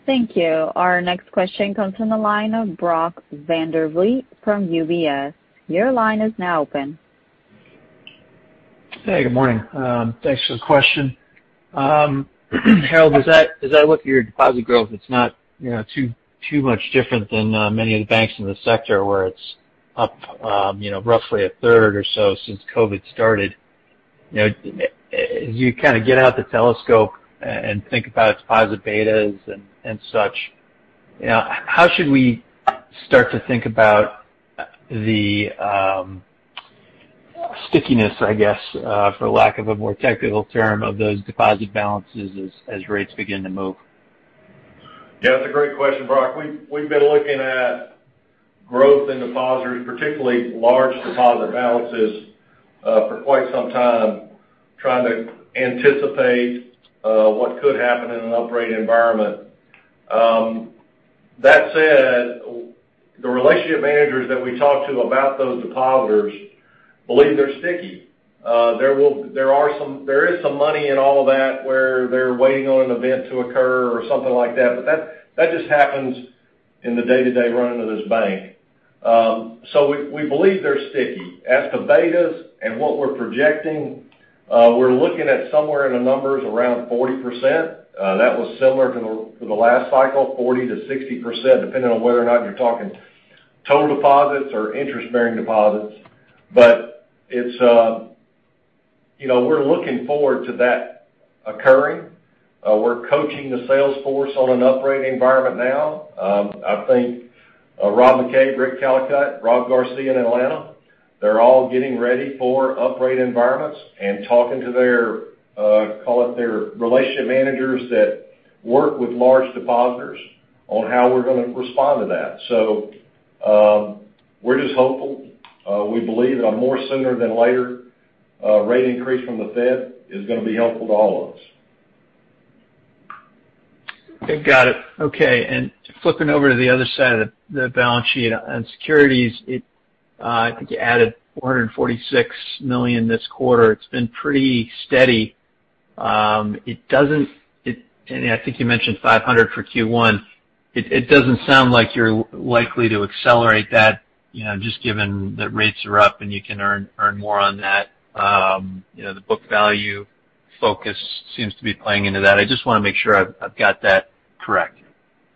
Thank you. Our next question comes from the line of Brody Preston from UBS. Your line is now open. Hey, good morning. Thanks for the question. Harold, as I look at your deposit growth, it's not, you know, too much different than many of the banks in the sector where it's up, you know, roughly 1/3 or so since COVID started. You know, as you kinda get out the telescope and think about deposit betas and such, you know, how should we start to think about the stickiness, I guess, for lack of a more technical term, of those deposit balances as rates begin to move? Yeah, that's a great question, Brody. We've been looking at growth in depositors, particularly large deposit balances, for quite some time, trying to anticipate what could happen in an operating environment. That said, the relationship managers that we talk to about those depositors believe they're sticky. There is some money in all of that where they're waiting on an event to occur or something like that, but that just happens in the day-to-day running of this bank. So we believe they're sticky. As to betas and what we're projecting, we're looking at somewhere in the numbers around 40%. That was similar to the last cycle, 40%-60%, depending on whether or not you're talking total deposits or interest-bearing deposits. It's, you know, we're looking forward to that occurring. We're coaching the sales force on an operating environment now. I think Rob McCabe, Rick Callicutt, Rob Garcia in Atlanta, they're all getting ready for upright environments and talking to their call it their relationship managers that work with large depositors. On how we're gonna respond to that. We're just hopeful. We believe sooner rather than later, rate increase from the Fed is gonna be helpful to all of us. Okay. Got it. Okay. Flipping over to the other side of the balance sheet on securities, I think you added $446 million this quarter. It's been pretty steady. I think you mentioned $500 for Q1. It doesn't sound like you're likely to accelerate that, you know, just given that rates are up, and you can earn more on that. You know, the book value focus seems to be playing into that. I just wanna make sure I've got that correct.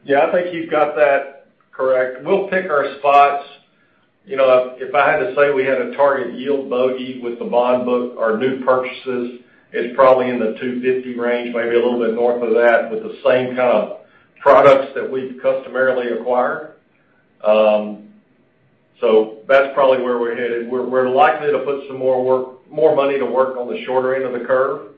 Yeah. I think you've got that correct. We'll pick our spots. You know, if I had to say we had a target yield bogey with the bond book, our new purchases is probably in the 2.50% range, maybe a little bit north of that, with the same kind of products that we'd customarily acquire. So that's probably where we're headed. We're likely to put some more money to work on the shorter end of the curve.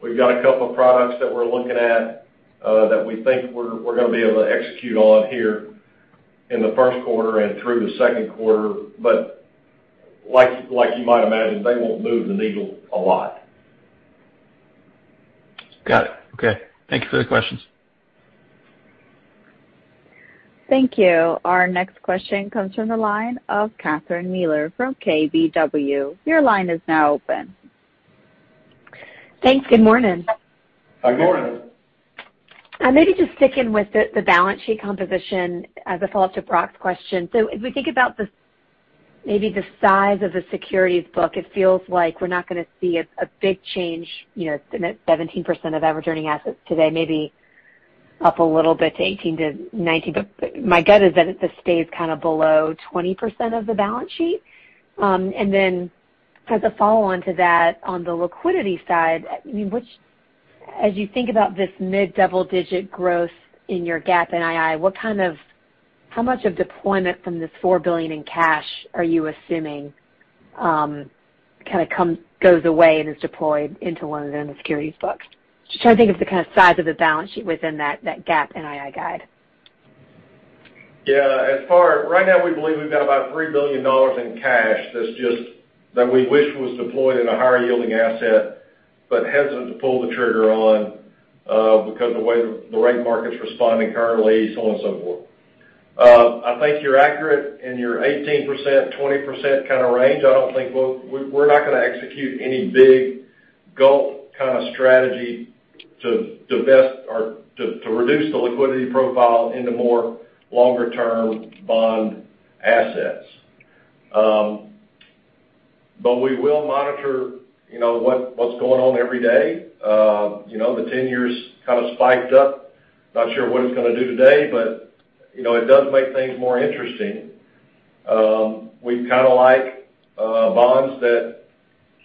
We've got a couple of products that we're looking at that we think we're gonna be able to execute on here in the first quarter and through the second quarter. But like you might imagine, they won't move the needle a lot. Got it. Okay. Thank you for the questions. Thank you. Our next question comes from the line of Catherine Mealor from KBW. Your line is now open. Thanks. Good morning. Good morning. I'm just sticking with the balance sheet composition as a follow-up to Brody's question. If we think about the, maybe the size of the securities book, it feels like we're not gonna see a big change, you know, 17% of average earning assets today, maybe up a little bit to 18%-19%. My gut is that this stays kind of below 20% of the balance sheet. As a follow-on to that, on the liquidity side, I mean, as you think about this mid-double digit growth in your GAAP NII, how much of deployment from this $4 billion in cash are you assuming goes away and is deployed into one of the securities books? Just trying to think of the kind of size of the balance sheet within that GAAP NII guide. Right now, we believe we've got about $3 billion in cash that we wish was deployed in a higher yielding asset, but hesitant to pull the trigger on because the way the rate market's responding currently, so on and so forth. I think you're accurate in your 18%-20% kinda range. I don't think we're gonna execute any big gulp kinda strategy to reduce the liquidity profile into more longer-term bond assets. We will monitor, you know, what's going on every day. You know, the 10-year kind of spiked up. Not sure what it's gonna do today, but, you know, it does make things more interesting. We kinda like bonds that,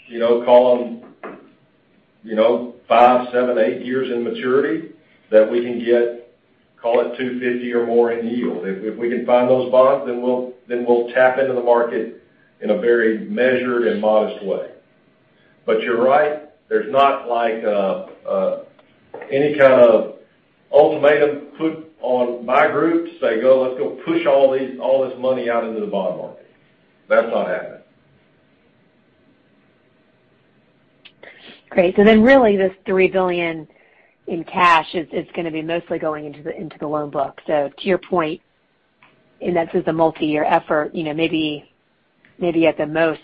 you know, call them, you know, five, seven, eight years in maturity that we can get, call it 2.50 or more in yield. If we can find those bonds, then we'll tap into the market in a very measured and modest way. You're right, there's not like any kind of ultimatum put on my group, say, "Go. Let's go push all this money out into the bond market." That's not happening. Great. Really this $3 billion in cash is gonna be mostly going into the loan book. To your point, this is a multi-year effort, you know, maybe at the most,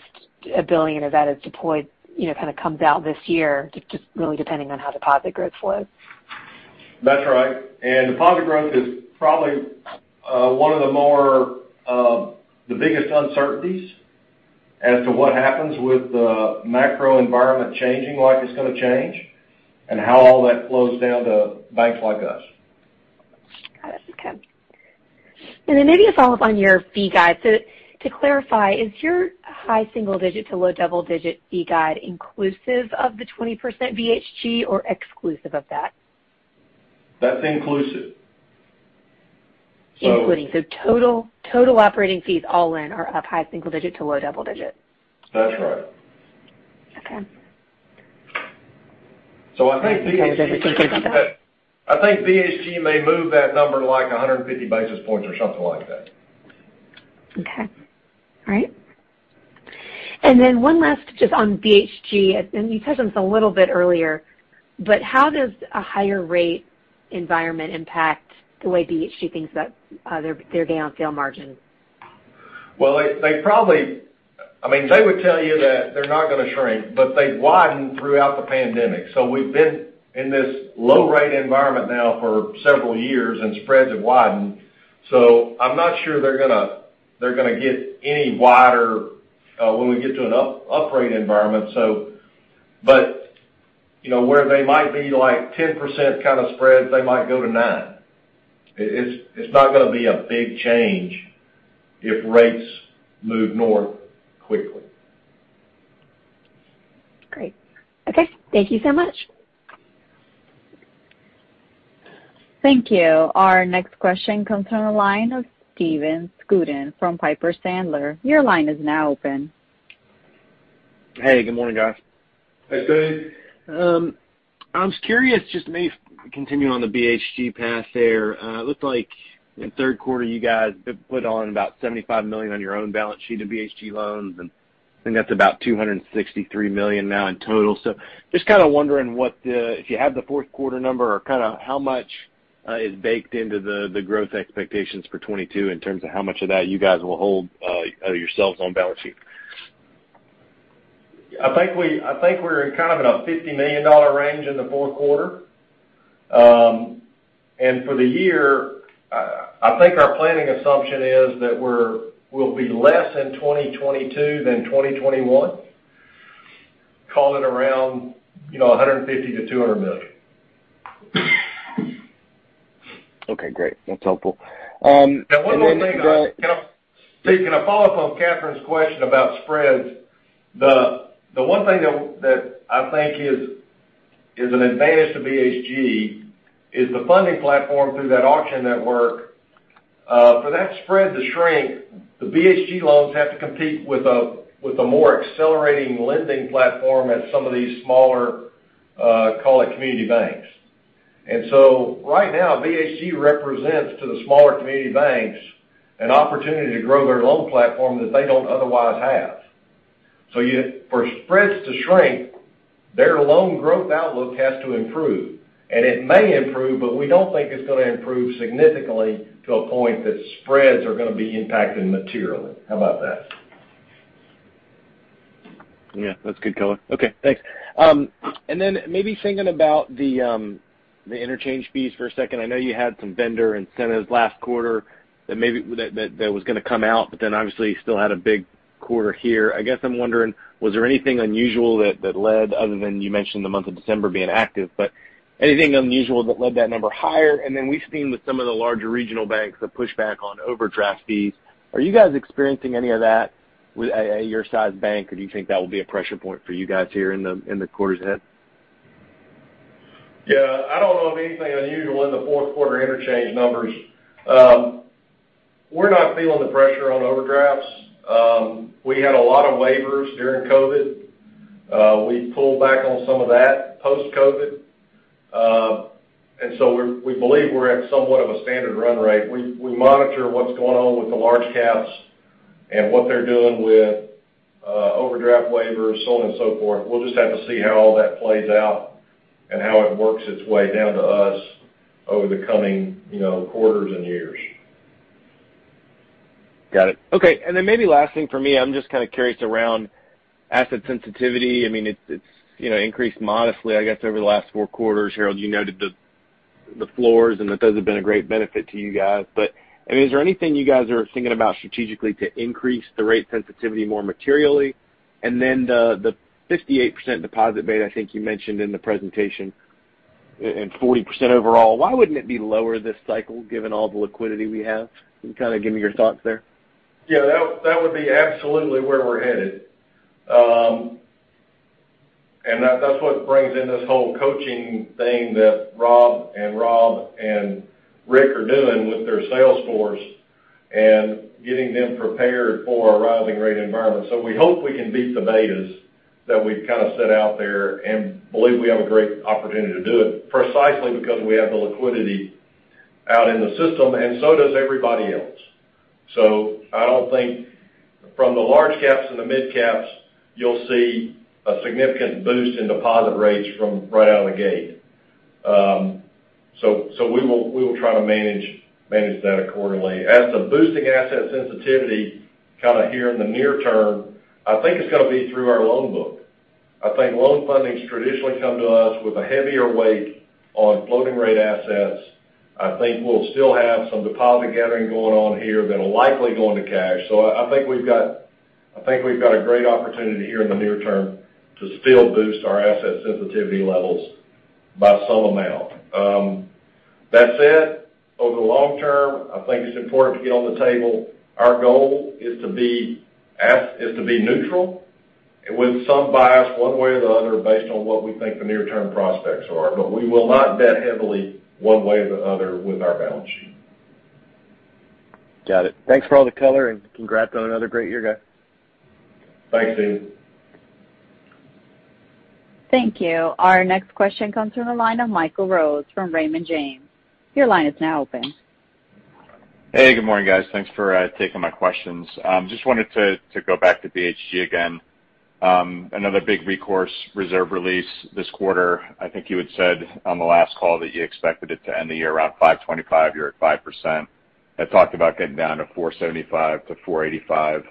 $1 billion of that is deployed, you know, kind of comes out this year, just really depending on how deposit growth was. That's right. Deposit growth is probably one of the biggest uncertainties as to what happens with the macro environment changing like it's gonna change and how all that flows down to banks like us. Got it. Okay. Maybe a follow-up on your fee guide. To clarify, is your high single digit to low double digit fee guide inclusive of the 20% BHG or exclusive of that? That's inclusive. Total operating fees all in are up high single-digit to low double-digit? That's right. Okay. I think BHG may move that number, like, 150 basis points or something like that. Okay. All right. One last just on BHG, and you touched on this a little bit earlier, but how does a higher rate environment impact the way BHG thinks about their gain on sale margin? Well, they probably, I mean, would tell you that they're not gonna shrink, but they've widened throughout the pandemic. We've been in this low rate environment now for several years and spreads have widened. I'm not sure they're gonna get any wider when we get to an uprate environment. You know, where they might be, like, 10% kind of spreads, they might go to nine. It's not gonna be a big change if rates move north quickly. Great. Okay. Thank you so much. Thank you. Our next question comes from the line of Stephen Scouten from Piper Sandler. Your line is now open. Hey, good morning, guys. Hey, Steve. I was curious, just to continue on the BHG path there. It looked like in the third quarter you guys put on about $75 million on your own balance sheet of BHG loans, and I think that's about $263 million now in total. Just kinda wondering what if you have the fourth quarter number or kinda how much is baked into the growth expectations for 2022 in terms of how much of that you guys will hold yourselves on balance sheet. I think we're kind of in a $50 million range in the fourth quarter. For the year, I think our planning assumption is that we'll be less in 2022 than 2021, call it around, you know, $150 million-$200 million. Okay, great. That's helpful. One more thing, can I, Steve, can I follow up on Catherine's question about spreads? The one thing that I think is an advantage to BHG is the funding platform through that auction network. For that spread to shrink, the BHG loans have to compete with a more accelerating lending platform at some of these smaller, call it community banks. Right now, BHG represents to the smaller community banks an opportunity to grow their loan platform that they don't otherwise have. For spreads to shrink, their loan growth outlook has to improve. It may improve, but we don't think it's gonna improve significantly to a point that spreads are gonna be impacting materially. How about that? Yeah, that's good color. Okay, thanks. Then maybe thinking about the interchange fees for a second. I know you had some vendor incentives last quarter that was gonna come out, but then obviously you still had a big quarter here. I guess I'm wondering, was there anything unusual that led, other than you mentioned the month of December being active, but anything unusual that led that number higher? We've seen with some of the larger regional banks a pushback on overdraft fees. Are you guys experiencing any of that with your size bank, or do you think that will be a pressure point for you guys here in the quarters ahead? Yeah. I don't know of anything unusual in the fourth quarter interchange numbers. We're not feeling the pressure on overdrafts. We had a lot of waivers during COVID. We pulled back on some of that post-COVID. We believe we're at somewhat of a standard run rate. We monitor what's going on with the large caps and what they're doing with overdraft waivers, so on and so forth. We'll just have to see how all that plays out and how it works its way down to us over the coming, you know, quarters and years. Got it. Okay. Then maybe last thing for me, I'm just kinda curious around asset sensitivity. I mean, it's you know, increased modestly, I guess, over the last four quarters. Harold, you noted the floors and that those have been a great benefit to you guys. I mean, is there anything you guys are thinking about strategically to increase the rate sensitivity more materially? Then the 58% deposit beta I think you mentioned in the presentation, and 40% overall, why wouldn't it be lower this cycle given all the liquidity we have? Can you kinda give me your thoughts there? Yeah, that would be absolutely where we're headed. That's what brings in this whole coaching thing that Rob and Rob and Rick are doing with their sales force and getting them prepared for a rising rate environment. We hope we can beat the betas that we've kind of set out there and believe we have a great opportunity to do it precisely because we have the liquidity out in the system and so does everybody else. I don't think from the large caps and the mid caps, you'll see a significant boost in deposit rates from right out of the gate. We will try to manage that accordingly. As to boosting asset sensitivity kinda here in the near term, I think it's gonna be through our loan book. I think loan fundings traditionally come to us with a heavier weight on floating rate assets. I think we'll still have some deposit gathering going on here that'll likely go into cash. I think we've got a great opportunity here in the near term to still boost our asset sensitivity levels by some amount. That said, over the long term, I think it's important to get on the table. Our goal is to be neutral with some bias one way or the other based on what we think the near term prospects are. We will not bet heavily one way or the other with our balance sheet. Got it. Thanks for all the color, and congrats on another great year, guys. Thanks, Steve. Thank you. Our next question comes from the line of Michael Rose from Raymond James. Your line is now open. Hey, good morning, guys. Thanks for taking my questions. Just wanted to go back to BHG again. Another big recourse reserve release this quarter. I think you had said on the last call that you expected it to end the year around 5.25%, you're at 5%. Had talked about getting down to 4.75%-4.85%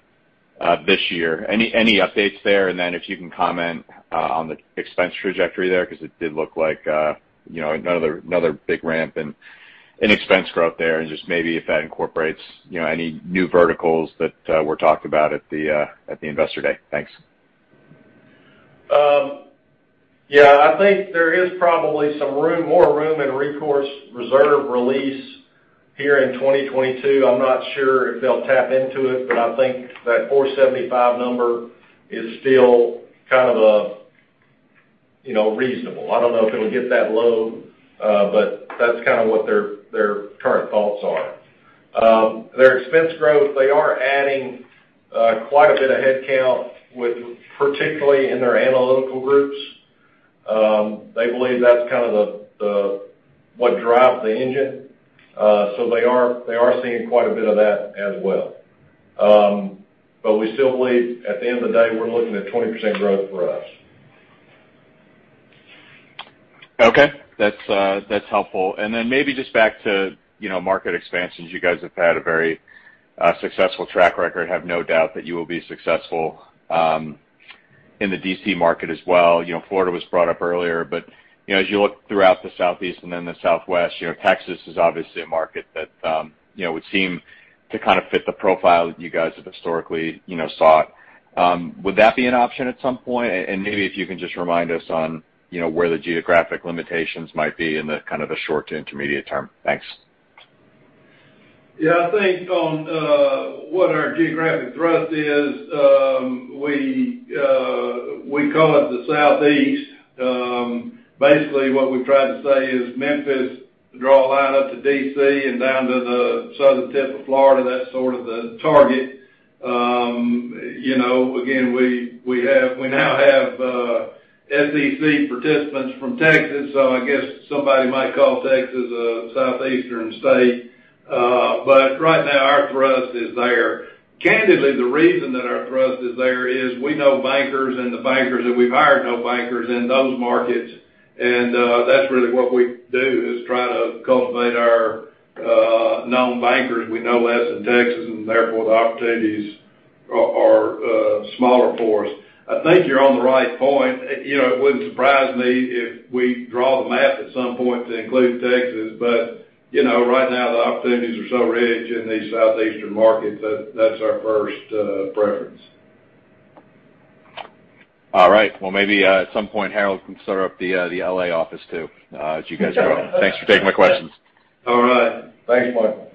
this year. Any updates there? And then if you can comment on the expense trajectory there, 'cause it did look like, you know, another big ramp in expense growth there and just maybe if that incorporates, you know, any new verticals that were talked about at the Investor Day. Thanks. I think there is probably some room, more room in recourse reserve release here in 2022. I'm not sure if they'll tap into it, but I think that 475 number is still kind of a You know, reasonable. I don't know if it'll get that low, but that's kind of what their current thoughts are. Their expense growth, they are adding quite a bit of headcount, particularly in their analytical groups. They believe that's kind of what drives the engine. They are seeing quite a bit of that as well. We still believe at the end of the day, we're looking at 20% growth for us. Okay. That's helpful. Then maybe just back to market expansions. You guys have had a very successful track record. I have no doubt that you will be successful in the DC market as well. You know, Florida was brought up earlier, but you know, as you look throughout the Southeast and then the Southwest, you know, Texas is obviously a market that would seem to kind of fit the profile that you guys have historically sought. Would that be an option at some point? Maybe if you can just remind us on where the geographic limitations might be in the short to intermediate term. Thanks. Yeah, I think on what our geographic thrust is, we call it the Southeast. Basically what we've tried to say is Memphis, draw a line up to DC and down to the southern tip of Florida. That's sort of the target. You know, again, we now have SEC participants from Texas, so I guess somebody might call Texas a Southeastern state. Right now our thrust is there. Candidly, the reason that our thrust is there is we know bankers and the bankers that we've hired know bankers in those markets, and that's really what we do, is try to cultivate our known bankers. We know less in Texas, and therefore, the opportunities are smaller for us. I think you're on the right point. You know, it wouldn't surprise me if we draw the map at some point to include Texas, but, you know, right now the opportunities are so rich in these Southeastern markets that that's our first preference. All right. Well, maybe, at some point, Harold can start up the LA office too, as you guys grow. Thanks for taking my questions. All right. Thanks, Michael.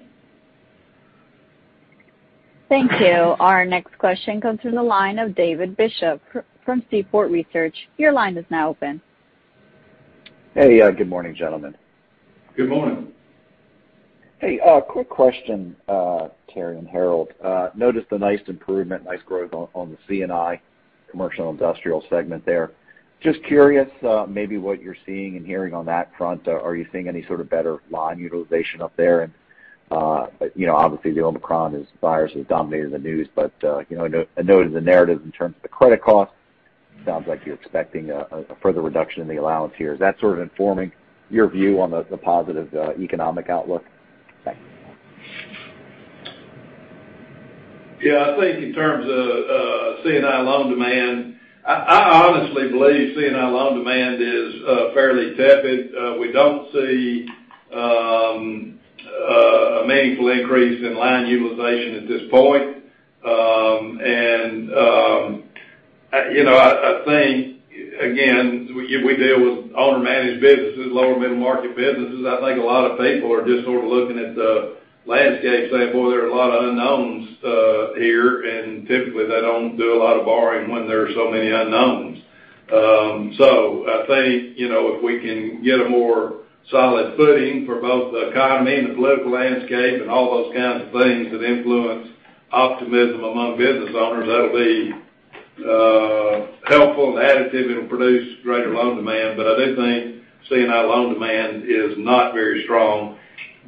Thank you. Our next question comes from the line of David Bishop from Seaport Research. Your line is now open. Hey, good morning, gentlemen. Good morning. Hey, quick question, Terry and Harold. Noticed the nice improvement, nice growth on the C&I, commercial and industrial segment there. Just curious, maybe what you're seeing and hearing on that front. Are you seeing any sort of better line utilization up there? You know, obviously the Omicron virus has dominated the news, but you know, I noted the narrative in terms of the credit cost. Sounds like you're expecting a further reduction in the allowance here. Is that sort of informing your view on the positive economic outlook? Thanks. Yeah, I think in terms of C&I loan demand, I honestly believe C&I loan demand is fairly tepid. We don't see a meaningful increase in line utilization at this point. You know, I think, again, we deal with owner-managed businesses, lower middle-market businesses. I think a lot of people are just sort of looking at the landscape saying, "Boy, there are a lot of unknowns here." Typically, they don't do a lot of borrowing when there are so many unknowns. I think, you know, if we can get a more solid footing for both the economy and the political landscape and all those kinds of things that influence optimism among business owners, that'll be helpful and additive and produce greater loan demand. I do think C&I loan demand is not very strong.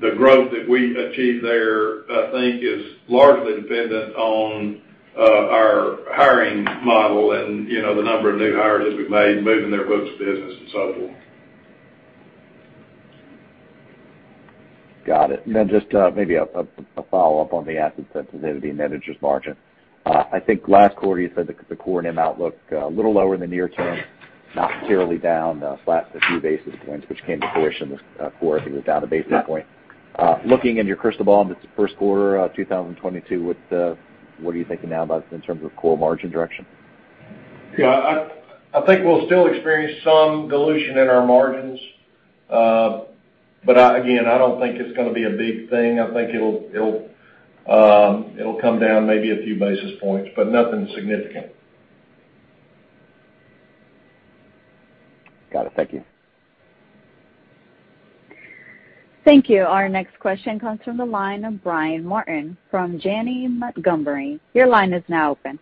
The growth that we achieve there, I think, is largely dependent on our hiring model and, you know, the number of new hires that we've made, moving their books of business and so forth. Got it. Just maybe a follow-up on the asset sensitivity and net interest margin. I think last quarter you said the core NIM outlook a little lower in the near term, not materially down, flat to a few basis points, which came to fruition this quarter. I think it was down a basis point. Looking in your crystal ball into the first quarter 2022, what are you thinking now about in terms of core margin direction? Yeah, I think we'll still experience some dilution in our margins. Again, I don't think it's gonna be a big thing. I think it'll come down maybe a few basis points, but nothing significant. Got it. Thank you. Thank you. Our next question comes from the line of Brian Martin from Janney Montgomery. Your line is now open.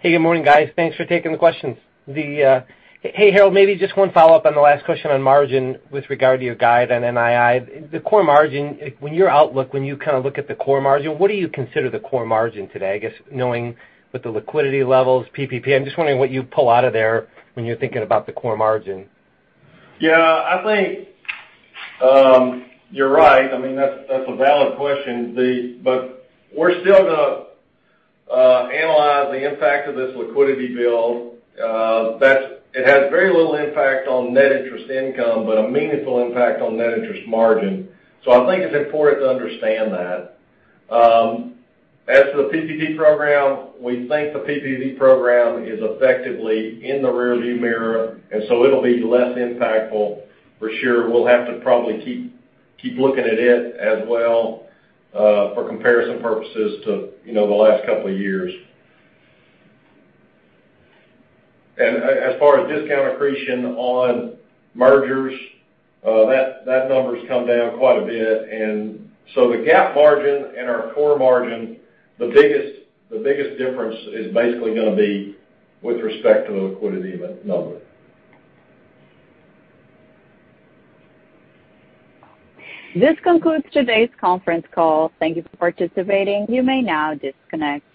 Hey, good morning, guys. Thanks for taking the questions. Hey, Harold, maybe just one follow-up on the last question on margin with regard to your guide on NII. The core margin, when your outlook, when you kind of look at the core margin, what do you consider the core margin today? I guess knowing with the liquidity levels, PPP, I'm just wondering what you pull out of there when you're thinking about the core margin. Yeah, I think you're right. I mean, that's a valid question. We're still gonna analyze the impact of this liquidity build. It has very little impact on net interest income, but a meaningful impact on net interest margin. I think it's important to understand that. As to the PPP program, we think the PPP program is effectively in the rear view mirror, and so it'll be less impactful for sure. We'll have to probably keep looking at it as well for comparison purposes to, you know, the last couple of years. As far as discount accretion on mergers, that number's come down quite a bit. The GAAP margin and our core margin, the biggest difference is basically gonna be with respect to the liquidity amount. This concludes today's conference call. Thank you for participating. You may now disconnect.